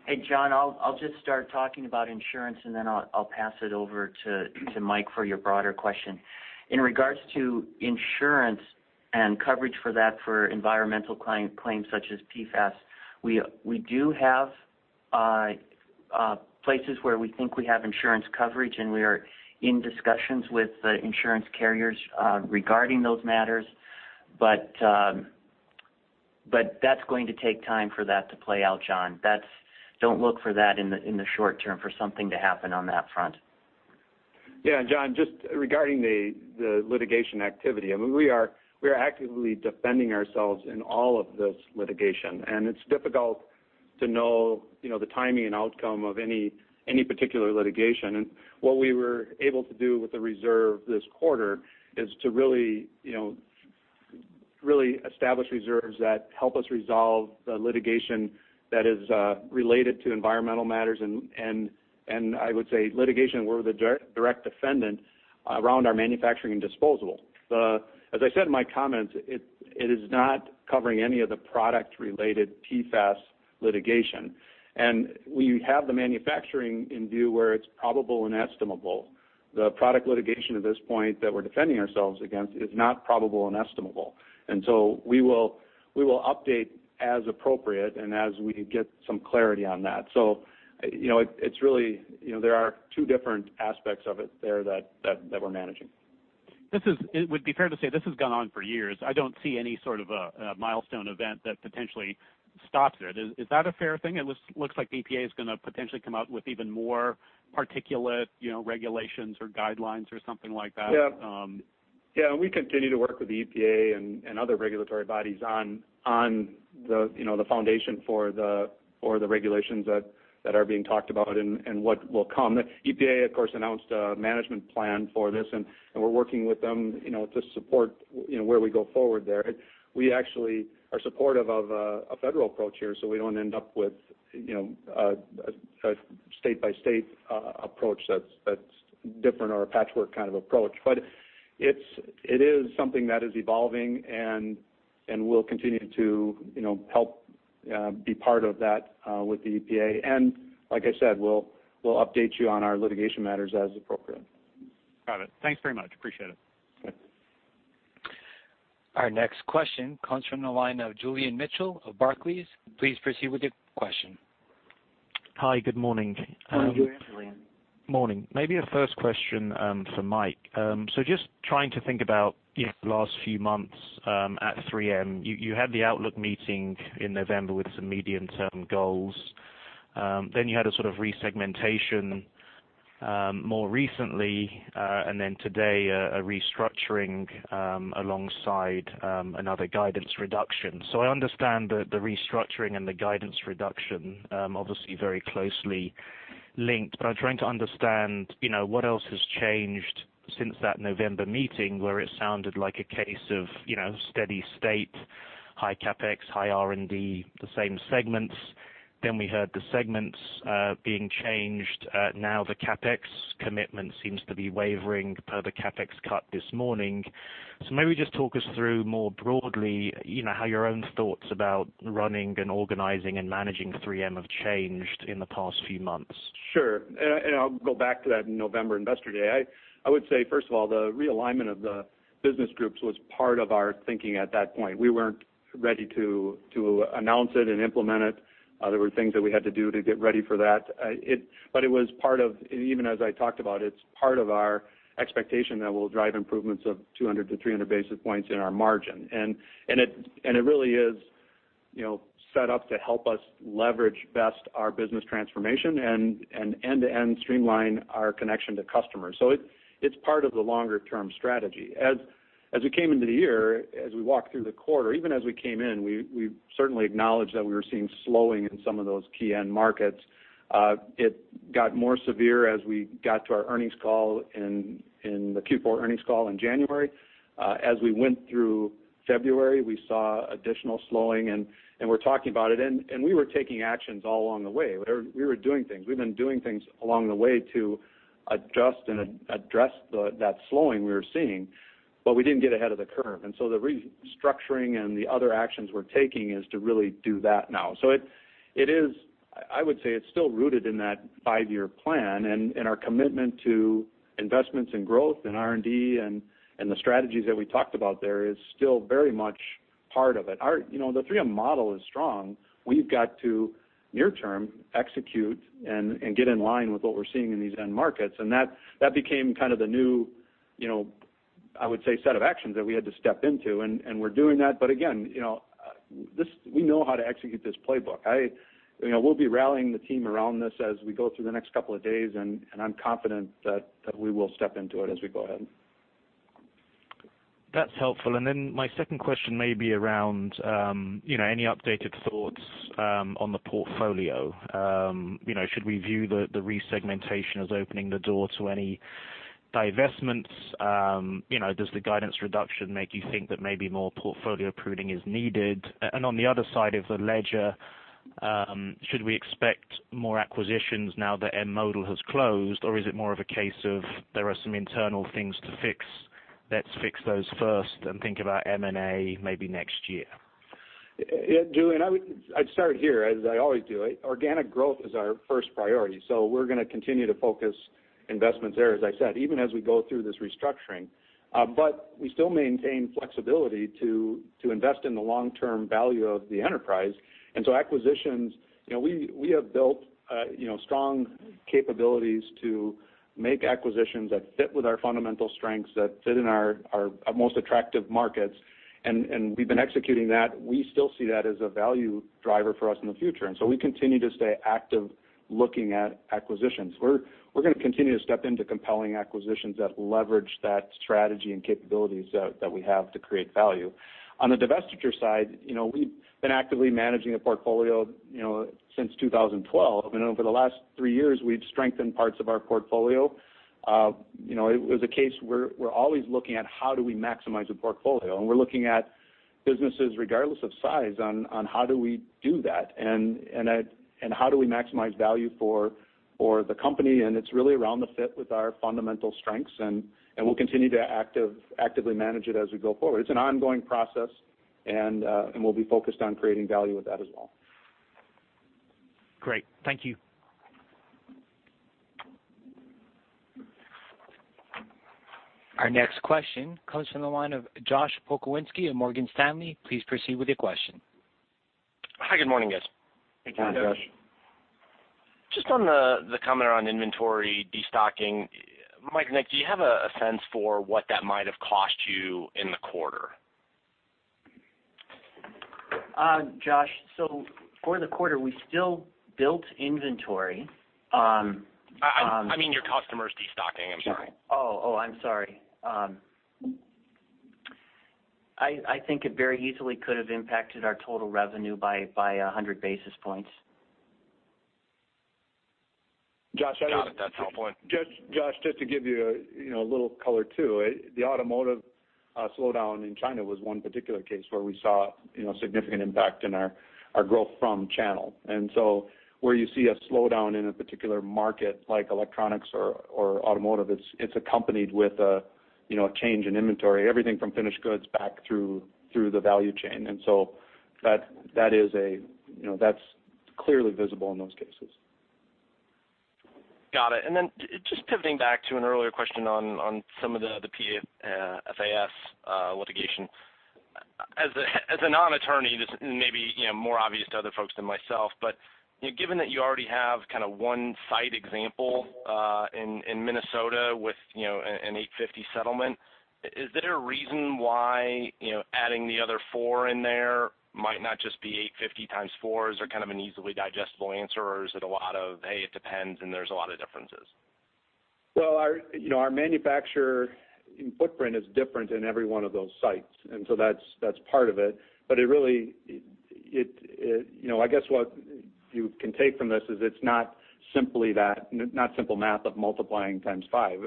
Hey, John, I'll just start talking about insurance. I'll pass it over to Mike for your broader question. In regards to insurance and coverage for that for environmental claims such as PFAS, we do have places where we think we have insurance coverage, and we are in discussions with the insurance carriers regarding those matters. That's going to take time for that to play out, John. Don't look for that in the short term for something to happen on that front. John, just regarding the litigation activity, we are actively defending ourselves in all of this litigation. It's difficult to know the timing and outcome of any particular litigation. What we were able to do with the reserve this quarter is to really establish reserves that help us resolve the litigation that is related to environmental matters. I would say litigation where we're the direct defendant around our manufacturing and disposal. As I said in my comments, it is not covering any of the product-related PFAS litigation. We have the manufacturing in view where it's probable and estimable. The product litigation at this point that we're defending ourselves against is not probable and estimable. We will update as appropriate and as we get some clarity on that. There are two different aspects of it there that we're managing. It would be fair to say this has gone on for years. I don't see any sort of a milestone event that potentially stops it. Is that a fair thing? It looks like the EPA is going to potentially come out with even more particulate regulations or guidelines or something like that. Yeah. We continue to work with the EPA and other regulatory bodies on the foundation for the regulations that are being talked about and what will come. The EPA, of course, announced a management plan for this, and we're working with them to support where we go forward there. We actually are supportive of a federal approach here, so we don't end up with a state-by-state approach that's different or a patchwork kind of approach. It is something that is evolving, and we'll continue to help be part of that with the EPA. Like I said, we'll update you on our litigation matters as appropriate. Got it. Thanks very much. Appreciate it. Okay. Our next question comes from the line of Julian Mitchell of Barclays. Please proceed with your question. Hi. Good morning. Morning, Julian. Morning. Maybe a first question for Mike. Just trying to think about the last few months at 3M. You had the outlook meeting in November with some medium-term goals. You had a sort of resegmentation more recently, today a restructuring alongside another guidance reduction. I understand that the restructuring and the guidance reduction, obviously very closely linked, I'm trying to understand what else has changed since that November meeting where it sounded like a case of steady state, high CapEx, high R&D, the same segments. We heard the segments being changed. Now the CapEx commitment seems to be wavering per the CapEx cut this morning. Maybe just talk us through more broadly how your own thoughts about running and organizing and managing 3M have changed in the past few months. Sure. I'll go back to that November investor day. I would say, first of all, the realignment of the business groups was part of our thinking at that point. We weren't ready to announce it and implement it. There were things that we had to do to get ready for that. Even as I talked about, it's part of our expectation that we'll drive improvements of 200-300 basis points in our margin. It really is set up to help us leverage best our business transformation and end-to-end streamline our connection to customers. It's part of the longer-term strategy. As we came into the year, as we walked through the quarter, even as we came in, we certainly acknowledged that we were seeing slowing in some of those key end markets. It got more severe as we got to our earnings call in the Q4 earnings call in January. As we went through February, we saw additional slowing, and we're talking about it, and we were taking actions all along the way. We were doing things. We've been doing things along the way to adjust and address that slowing we were seeing, but we didn't get ahead of the curve. The restructuring and the other actions we're taking is to really do that now. I would say it's still rooted in that five-year plan, and our commitment to investments in growth and R&D and the strategies that we talked about there is still very much part of it. The 3M model is strong. We've got to near term execute and get in line with what we're seeing in these end markets, and that became kind of the new, I would say, set of actions that we had to step into, and we're doing that. Again, we know how to execute this playbook. We'll be rallying the team around this as we go through the next couple of days, and I'm confident that we will step into it as we go ahead. That's helpful. My second question may be around any updated thoughts on the portfolio. Should we view the re-segmentation as opening the door to any divestments? Does the guidance reduction make you think that maybe more portfolio pruning is needed? On the other side of the ledger, should we expect more acquisitions now that M*Modal has closed, or is it more of a case of there are some internal things to fix, let's fix those first and think about M&A maybe next year? Yeah, Julian, I'd start here as I always do. Organic growth is our first priority, so we're going to continue to focus investments there, as I said, even as we go through this restructuring. We still maintain flexibility to invest in the long-term value of the enterprise. Acquisitions, we have built strong capabilities to make acquisitions that fit with our fundamental strengths, that fit in our most attractive markets, and we've been executing that. We still see that as a value driver for us in the future, and so we continue to stay active looking at acquisitions. We're going to continue to step into compelling acquisitions that leverage that strategy and capabilities that we have to create value. On the divestiture side, we've been actively managing a portfolio since 2012, and over the last three years, we've strengthened parts of our portfolio. It was a case where we're always looking at how do we maximize the portfolio, and we're looking at businesses regardless of size on how do we do that, and how do we maximize value for the company, and it's really around the fit with our fundamental strengths, and we'll continue to actively manage it as we go forward. It's an ongoing process, and we'll be focused on creating value with that as well. Great. Thank you. Our next question comes from the line of Josh Pokrzywinski of Morgan Stanley. Please proceed with your question. Hi, good morning, guys. Hey, Josh. Good morning. Just on the comment around inventory de-stocking, Mike and Nick, do you have a sense for what that might have cost you in the quarter? Josh, for the quarter, we still built inventory. I mean your customers de-stocking. I'm sorry. Oh, I'm sorry. I think it very easily could have impacted our total revenue by 100 basis points. Josh. Got it. That's helpful. Josh, just to give you a little color, too. The automotive slowdown in China was one particular case where we saw significant impact in our growth from channel. Where you see a slowdown in a particular market like electronics or automotive, it's accompanied with a change in inventory. Everything from finished goods back through the value chain. That's clearly visible in those cases. Got it. Just pivoting back to an earlier question on some of the PFAS litigation. As a non-attorney, this may be more obvious to other folks than myself, but given that you already have kind of one site example in Minnesota with an 850 settlement, is there a reason why adding the other four in there might not just be 850 times four? Is there kind of an easily digestible answer, or is it a lot of, "Hey, it depends, and there's a lot of differences? Well, our manufacturer footprint is different in every one of those sites, that's part of it. I guess what you can take from this is it's not simple math of multiplying times five.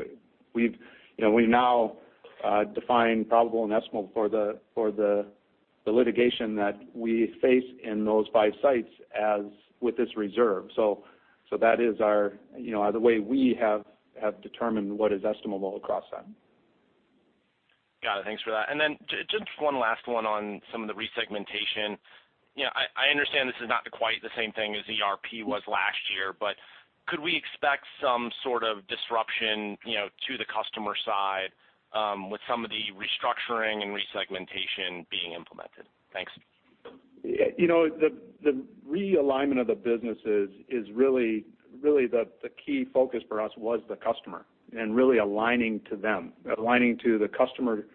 We now define probable and estimable for the litigation that we face in those five sites as with this reserve. That is the way we have determined what is estimable across that. Got it. Thanks for that. Just one last one on some of the re-segmentation. I understand this is not quite the same thing as ERP was last year, but could we expect some sort of disruption to the customer side with some of the restructuring and re-segmentation being implemented? Thanks. The realignment of the businesses is really the key focus for us was the customer, and really aligning to them, aligning to the customer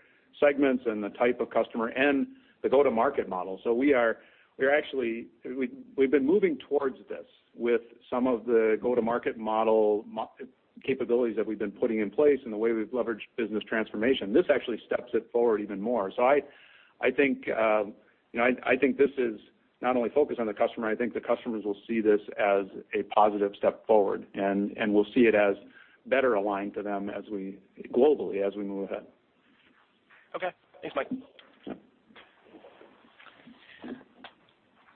segments and the type of customer and the go-to-market model. We've been moving towards this with some of the go-to-market model capabilities that we've been putting in place and the way we've leveraged business transformation. This actually steps it forward even more. I think this is not only focused on the customer, I think the customers will see this as a positive step forward, and will see it as better aligned to them globally as we move ahead. Okay. Thanks, Mike.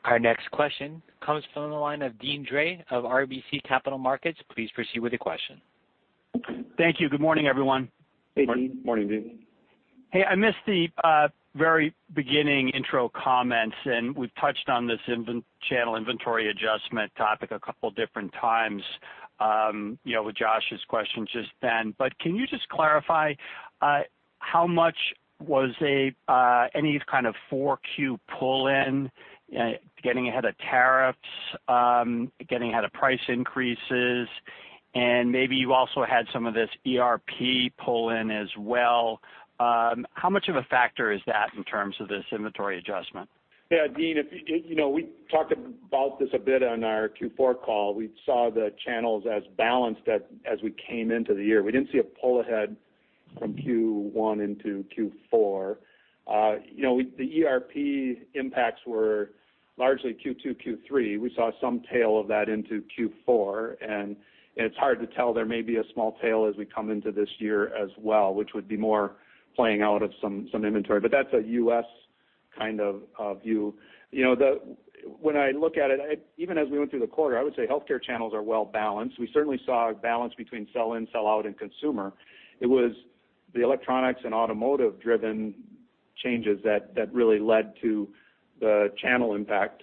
Our next question comes from the line of Deane Dray of RBC Capital Markets. Please proceed with your question. Thank you. Good morning, everyone. Hey, Deane. Morning, Deane. Hey, I missed the very beginning intro comments, and we've touched on this channel inventory adjustment topic a couple different times with Josh's questions just then. Can you just clarify how much was any kind of 4Q pull-in, getting ahead of tariffs, getting ahead of price increases, and maybe you also had some of this ERP pull-in as well. How much of a factor is that in terms of this inventory adjustment? Yeah, Deane, we talked about this a bit on our Q4 call. We saw the channels as balanced as we came into the year. We didn't see a pull ahead from Q1 into Q4. The ERP impacts were largely Q2, Q3. We saw some tail of that into Q4, and it's hard to tell, there may be a small tail as we come into this year as well, which would be more playing out of some inventory. That's a U.S. kind of view. When I look at it, even as we went through the quarter, I would say healthcare channels are well-balanced. We certainly saw a balance between sell-in, sell-out and consumer. It was the electronics and automotive-driven changes that really led to the channel impact.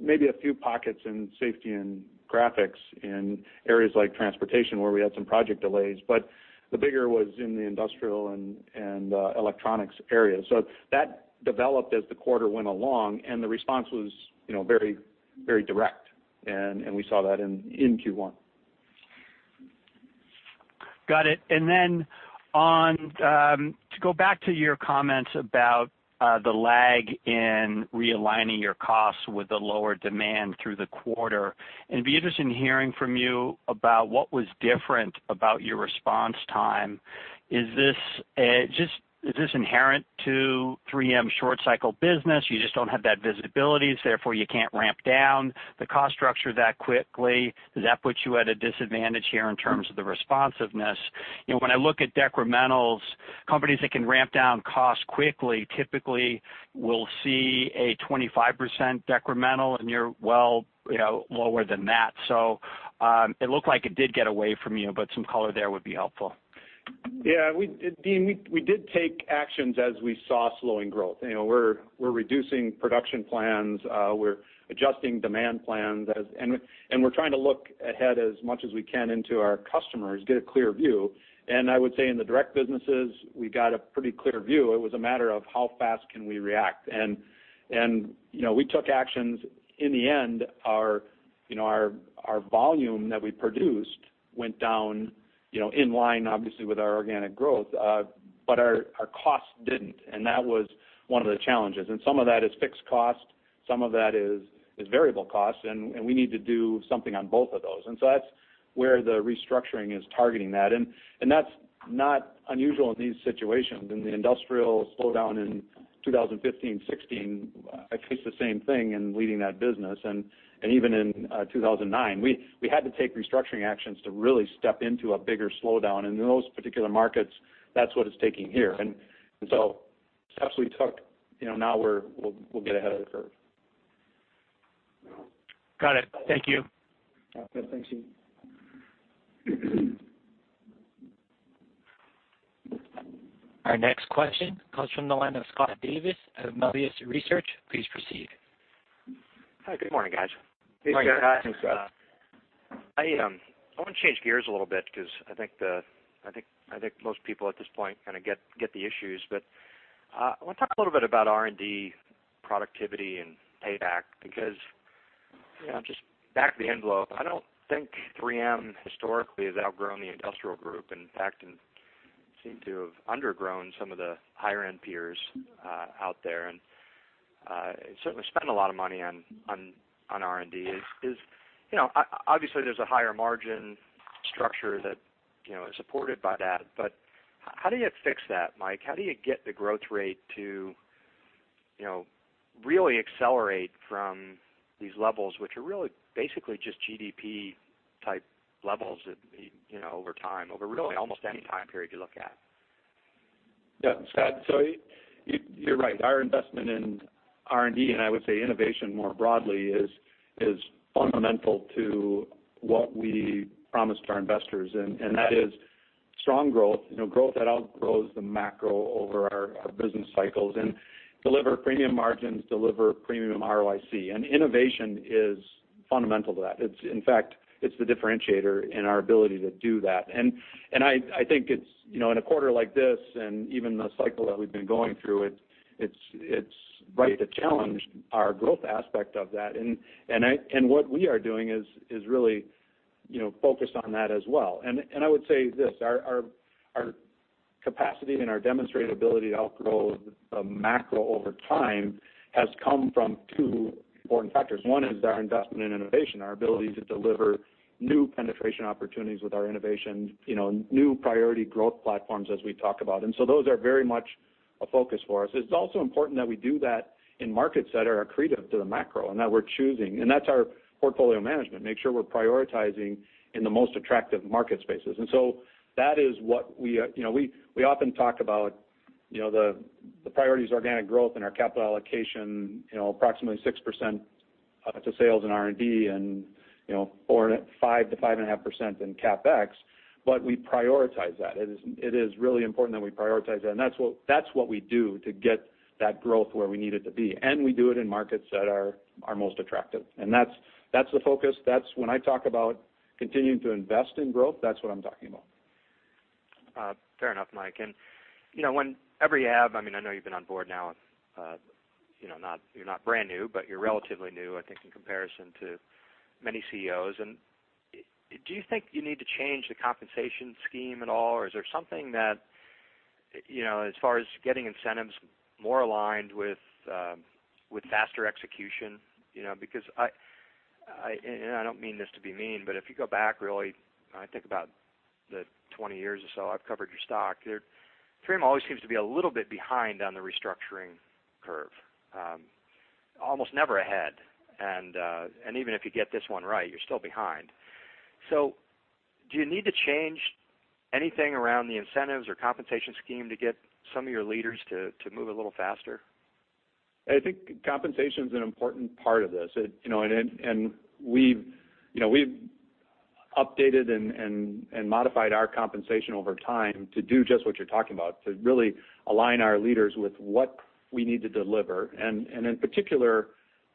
maybe a few pockets in safety and graphics in areas like transportation where we had some project delays, the bigger was in the industrial and electronics area. That developed as the quarter went along, and the response was very direct, and we saw that in Q1. Got it. To go back to your comments about the lag in realigning your costs with the lower demand through the quarter, I'd be interested in hearing from you about what was different about your response time. Is this inherent to 3M's short cycle business? You just don't have that visibility, therefore you can't ramp down the cost structure that quickly. Does that put you at a disadvantage here in terms of the responsiveness? When I look at decrementals, companies that can ramp down cost quickly typically will see a 25% decremental, and you're well lower than that. It looked like it did get away from you, some color there would be helpful. Yeah. Deane, we did take actions as we saw slowing growth. We're reducing production plans, we're adjusting demand plans, we're trying to look ahead as much as we can into our customers, get a clear view. I would say in the direct businesses, we got a pretty clear view. It was a matter of how fast can we react. We took actions. In the end, our volume that we produced went down in line, obviously, with our organic growth, our cost didn't, that was one of the challenges. Some of that is fixed cost, some of that is variable cost, we need to do something on both of those. That's where the restructuring is targeting that's not unusual in these situations. In the industrial slowdown in 2015-16, I faced the same thing in leading that business. Even in 2009. We had to take restructuring actions to really step into a bigger slowdown. In those particular markets, that's what it's taking here. Steps we took, now we'll get ahead of the curve. Got it. Thank you. Yeah. Thank you. Our next question comes from the line of Scott Davis at Melius Research. Please proceed. Hi. Good morning, guys. Good morning, Scott. Thanks, Scott. I want to change gears a little bit because I think most people at this point kind of get the issues, but I want to talk a little bit about R&D productivity and payback, because just back of the envelope, I don't think 3M historically has outgrown the industrial group. In fact, it seemed to have undergrown some of the higher-end peers out there, and certainly spend a lot of money on R&D. Obviously, there's a higher margin structure that is supported by that, but how do you fix that, Mike? How do you get the growth rate to really accelerate from these levels, which are really basically just GDP type levels over time, over really almost any time period you look at? Yeah. Scott, you're right. Our investment in R&D, and I would say innovation more broadly, is fundamental to what we promised our investors, and that is strong growth. Growth that outgrows the macro over our business cycles, and deliver premium margins, deliver premium ROIC. Innovation is fundamental to that. In fact, it's the differentiator in our ability to do that. I think in a quarter like this and even the cycle that we've been going through, it's right to challenge our growth aspect of that. What we are doing is really focused on that as well. I would say this, our capacity and our demonstrated ability to outgrow the macro over time has come from two important factors. One is our investment in innovation, our ability to deliver new penetration opportunities with our innovation, new priority growth platforms as we talk about. Those are very much a focus for us. It's also important that we do that in markets that are accretive to the macro and that we're choosing. That's our portfolio management, make sure we're prioritizing in the most attractive market spaces. We often talk about the priorities organic growth and our capital allocation approximately 6% to sales in R&D and 5%-5.5% in CapEx, we prioritize that. It is really important that we prioritize that, and that's what we do to get that growth where we need it to be. We do it in markets that are most attractive. That's the focus. When I talk about continuing to invest in growth, that's what I'm talking about. Fair enough, Mike. I know you've been on board now, you're not brand new, but you're relatively new, I think, in comparison to many CEOs. Do you think you need to change the compensation scheme at all, or is there something that, as far as getting incentives more aligned with faster execution? Because, I don't mean this to be mean, but if you go back really, I think about the 20 years or so I've covered your stock, 3M always seems to be a little bit behind on the restructuring curve. Almost never ahead. Even if you get this one right, you're still behind. Do you need to change anything around the incentives or compensation scheme to get some of your leaders to move a little faster? I think compensation's an important part of this. We've updated and modified our compensation over time to do just what you're talking about, to really align our leaders with what we need to deliver, and in particular,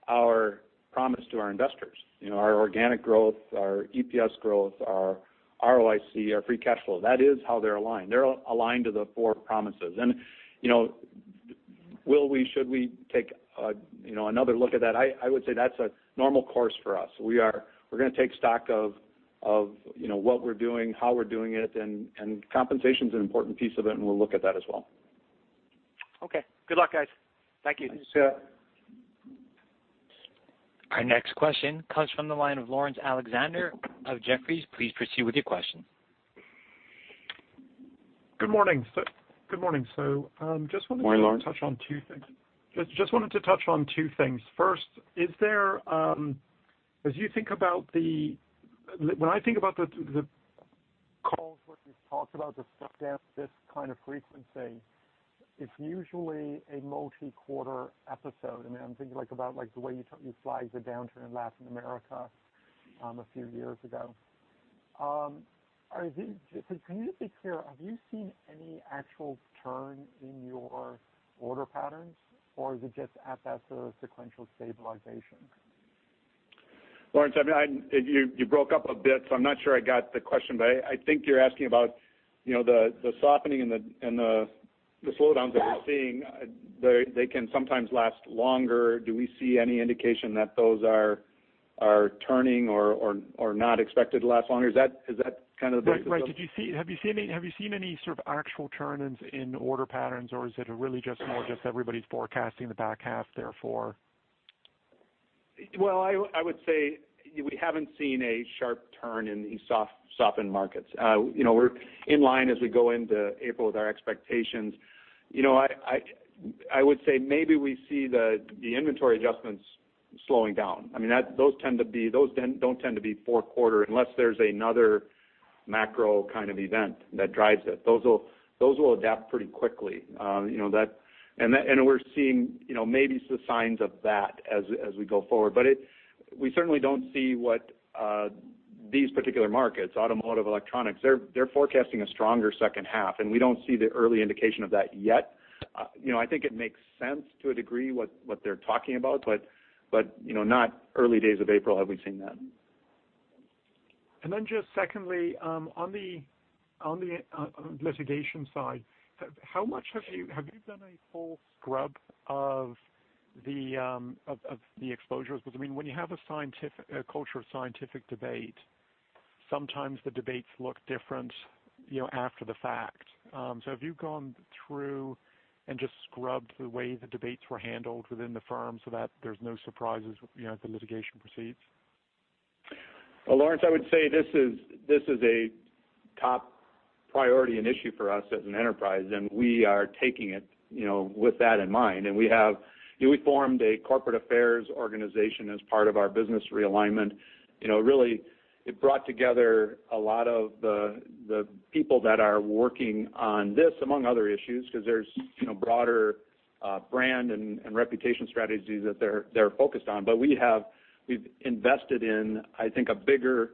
our promise to our investors. Our organic growth, our EPS growth, our ROIC, our free cash flow, that is how they're aligned. They're aligned to the four promises. Will we, should we take another look at that? I would say that's a normal course for us. We're going to take stock of what we're doing, how we're doing it, and compensation's an important piece of it, and we'll look at that as well. Okay. Good luck, guys. Thank you. Thanks. Our next question comes from the line of Laurence Alexander of Jefferies. Please proceed with your question. Good morning. Morning, Laurence. Just wanted to touch on two things. First, when I think about the calls where you've talked about the step down, this kind of frequency, it's usually a multi-quarter episode. I'm thinking about the way you flagged the downturn in Latin America a few years ago. Can you just be clear, have you seen any actual turn in your order patterns or is it just at best a sequential stabilization? Laurence, you broke up a bit. I'm not sure I got the question, but I think you're asking about the softening and the slowdowns that we're seeing, they can sometimes last longer. Do we see any indication that those are turning or not expected to last longer? Is that kind of the basis of- Right. Have you seen any sort of actual turn in order patterns, or is it really just more just everybody's forecasting the back half therefore? Well, I would say we haven't seen a sharp turn in these softened markets. We're in line as we go into April with our expectations. I would say maybe we see the inventory adjustments slowing down. Those don't tend to be four quarters unless there's another macro kind of event that drives it. Those will adapt pretty quickly. We're seeing maybe some signs of that as we go forward. We certainly don't see what these particular markets, automotive, electronics, they're forecasting a stronger second half, and we don't see the early indication of that yet. I think it makes sense to a degree what they're talking about, not early days of April have we seen that. Just secondly, on the litigation side, have you done a full scrub of the exposures? Because when you have a culture of scientific debate, sometimes the debates look different after the fact. Have you gone through and just scrubbed the way the debates were handled within the firm so that there's no surprises as the litigation proceeds? Laurence, I would say this is a top priority and issue for us as an enterprise, we are taking it with that in mind. We formed a corporate affairs organization as part of our business realignment. Really, it brought together a lot of the people that are working on this, among other issues, because there's broader brand and reputation strategies that they're focused on. We've invested in, I think, a bigger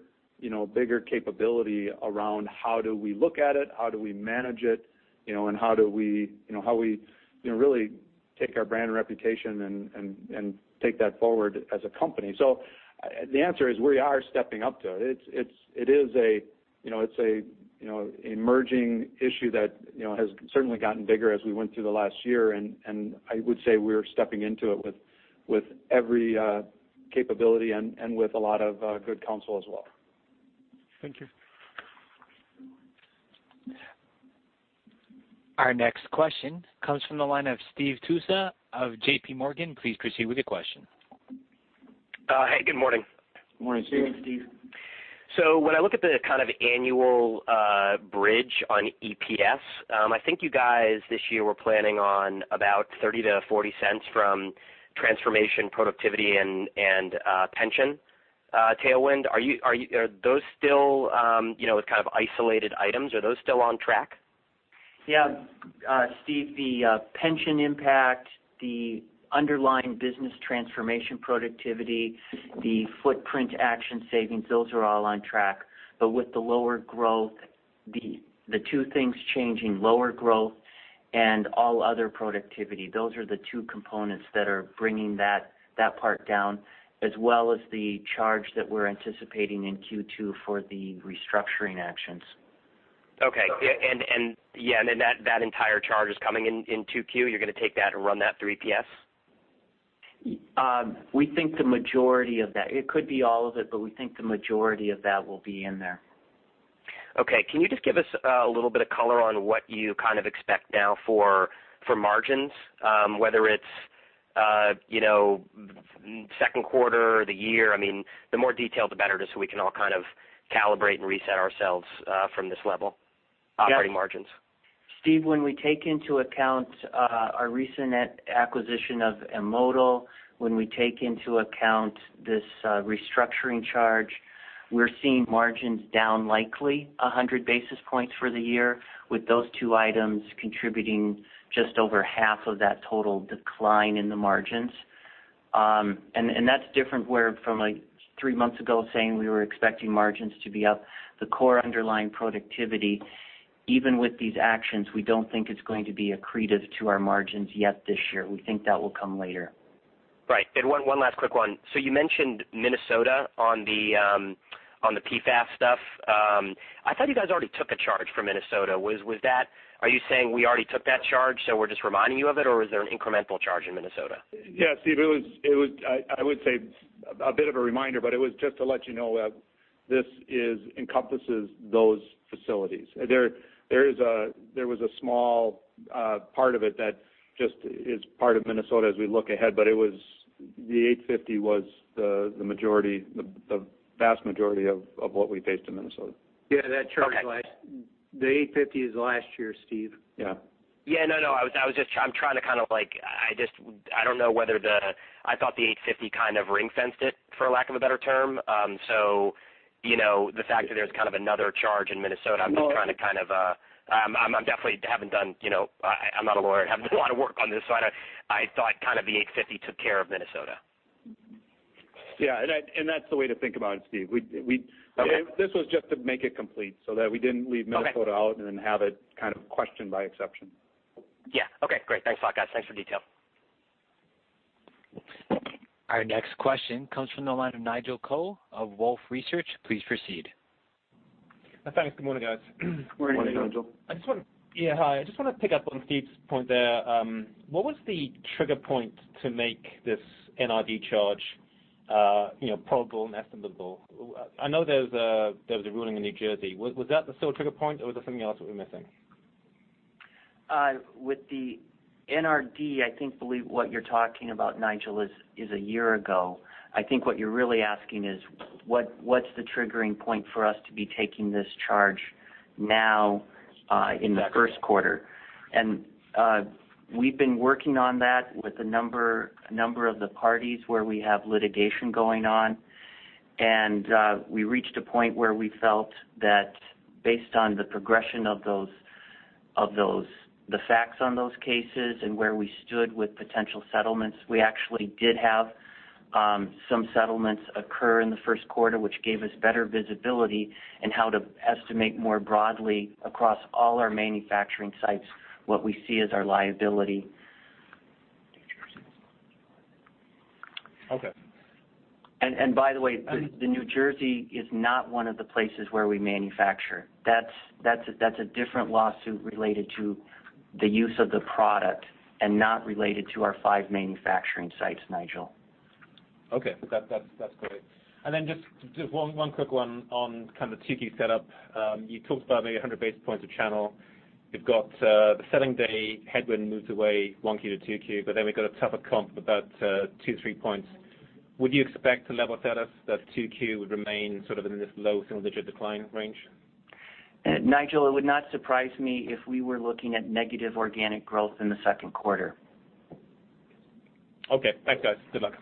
capability around how do we look at it, how do we manage it, and how we really take our brand reputation and take that forward as a company. The answer is we are stepping up to it. It's an emerging issue that has certainly gotten bigger as we went through the last year, I would say we're stepping into it with every capability and with a lot of good counsel as well. Thank you. Our next question comes from the line of Stephen Tusa of J.P. Morgan. Please proceed with your question. Hey, good morning. Morning, Steve. Good morning, Steve. When I look at the kind of annual bridge on EPS, I think you guys this year were planning on about $0.30-$0.40 from transformation productivity and pension tailwind. With kind of isolated items, are those still on track? Yeah. Steve, the pension impact, the underlying business transformation productivity, the footprint action savings, those are all on track. With the lower growth, the two things changing, lower growth and all other productivity, those are the two components that are bringing that part down, as well as the charge that we're anticipating in Q2 for the restructuring actions. Okay. Then that entire charge is coming in 2Q, you're going to take that and run that through EPS? We think the majority of that. It could be all of it, we think the majority of that will be in there. Okay. Can you just give us a little bit of color on what you expect now for margins? Whether it's second quarter or the year, the more detail, the better, just so we can all calibrate and reset ourselves from this level, operating margins. Steve, when we take into account our recent acquisition of M*Modal, when we take into account this restructuring charge, we're seeing margins down likely 100 basis points for the year, with those two items contributing just over half of that total decline in the margins. That's different from three months ago saying we were expecting margins to be up. The core underlying productivity, even with these actions, we don't think it's going to be accretive to our margins yet this year. We think that will come later. Right. One last quick one. You mentioned Minnesota on the PFAS stuff. I thought you guys already took a charge for Minnesota. Are you saying we already took that charge, so we're just reminding you of it, or was there an incremental charge in Minnesota? Steve, it was, I would say, a bit of a reminder, but it was just to let you know this encompasses those facilities. There was a small part of it that just is part of Minnesota as we look ahead, but the $850 was the vast majority of what we faced in Minnesota. That charge last. The $850 is last year, Steve. Yeah. I'm trying to kind of like I don't know whether I thought the $850 kind of ring-fenced it, for lack of a better term. The fact that there's kind of another charge in Minnesota, I'm just trying to kind of I definitely haven't done I'm not a lawyer, haven't done a lot of work on this, I thought kind of the $850 took care of Minnesota. That's the way to think about it, Steve. Okay. This was just to make it complete so that we didn't leave Minnesota out and then have it kind of questioned by exception. Okay, great. Thanks a lot, guys. Thanks for the detail. Our next question comes from the line of Nigel Coe of Wolfe Research. Please proceed. Thanks. Good morning, guys. Morning, Nigel. Morning. Yeah, hi. I just want to pick up on Steve's point there. What was the trigger point to make this NRD charge probable and estimable? I know there was a ruling in New Jersey. Was that the sole trigger point, or was there something else that we're missing? With the NRD, I think, believe, what you're talking about, Nigel, is a year ago. I think what you're really asking is what's the triggering point for us to be taking this charge now in the first quarter. We've been working on that with a number of the parties where we have litigation going on. We reached a point where we felt that based on the progression of the facts on those cases and where we stood with potential settlements, we actually did have some settlements occur in the first quarter, which gave us better visibility in how to estimate more broadly across all our manufacturing sites what we see as our liability. Okay. By the way, New Jersey is not one of the places where we manufacture. That is a different lawsuit related to the use of the product and not related to our five manufacturing sites, Nigel. Okay, that is great. Just one quick one on kind of the 2Q setup. You talked about maybe 100 basis points of channel. You have got the selling day headwind moves away, 1Q to 2Q, we have got a tougher comp about 2-3 points. Would you expect to level with us that 2Q would remain sort of in this low single-digit decline range? Nigel, it would not surprise me if we were looking at negative organic growth in the second quarter. Okay. Thanks, guys. Good luck.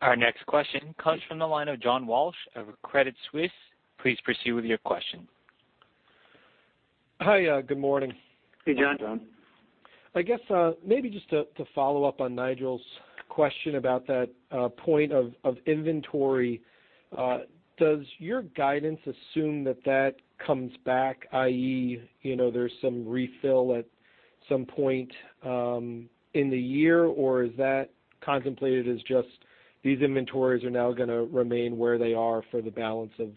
Our next question comes from the line of John Walsh of Credit Suisse. Please proceed with your question. Hi. Good morning. Hey, John. Good morning, John. I guess maybe just to follow up on Nigel's question about that point of inventory. Does your guidance assume that that comes back, i.e., there's some refill at some point in the year, or is that contemplated as just these inventories are now going to remain where they are for the balance of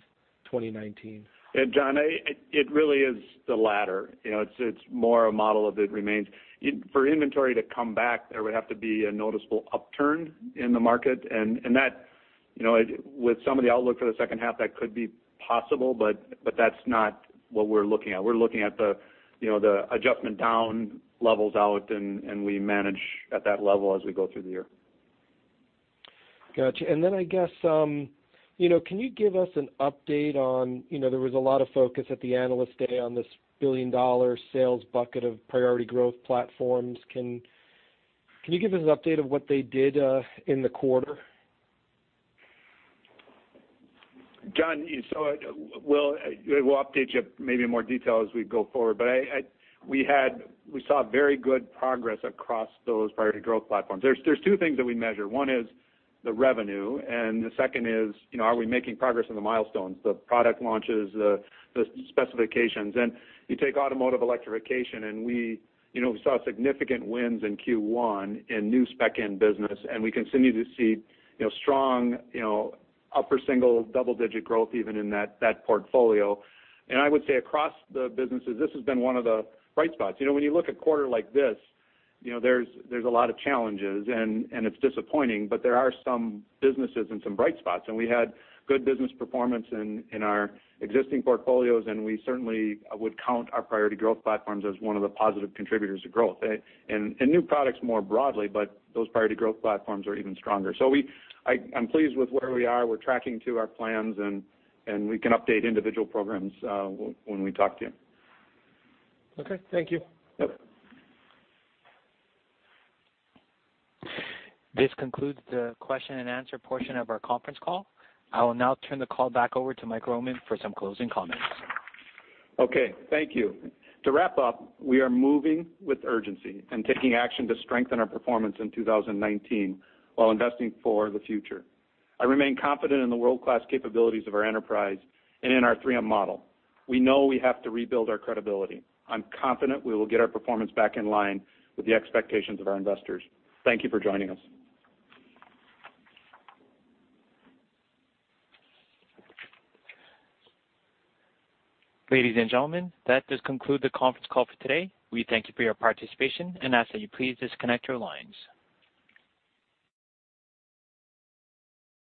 2019? John, it really is the latter. It's more a model of it remains. For inventory to come back, there would have to be a noticeable upturn in the market, and with some of the outlook for the second half, that could be possible, but that's not what we're looking at. We're looking at the adjustment down levels out, and we manage at that level as we go through the year. Got you. I guess, can you give us an update on, there was a lot of focus at the Analyst Day on this billion-dollar sales bucket of priority growth platforms. Can you give us an update of what they did in the quarter? John, we'll update you maybe in more detail as we go forward. We saw very good progress across those priority growth platforms. There's two things that we measure. One is the revenue, and the second is are we making progress on the milestones, the product launches, the specifications. You take automotive electrification, and we saw significant wins in Q1 in new spec-in business, and we continue to see strong upper single-digit, double-digit growth even in that portfolio. I would say across the businesses, this has been one of the bright spots. When you look at a quarter like this, there's a lot of challenges, and it's disappointing, but there are some businesses and some bright spots. We had good business performance in our existing portfolios, and we certainly would count our priority growth platforms as one of the positive contributors to growth. New products more broadly, but those priority growth platforms are even stronger. I'm pleased with where we are. We're tracking to our plans, and we can update individual programs when we talk to you. Okay. Thank you. Yep. This concludes the question and answer portion of our conference call. I will now turn the call back over to Mike Roman for some closing comments. Okay. Thank you. To wrap up, we are moving with urgency and taking action to strengthen our performance in 2019 while investing for the future. I remain confident in the world-class capabilities of our enterprise and in our 3M model. We know we have to rebuild our credibility. I'm confident we will get our performance back in line with the expectations of our investors. Thank you for joining us. Ladies and gentlemen, that does conclude the conference call for today. We thank you for your participation and ask that you please disconnect your lines.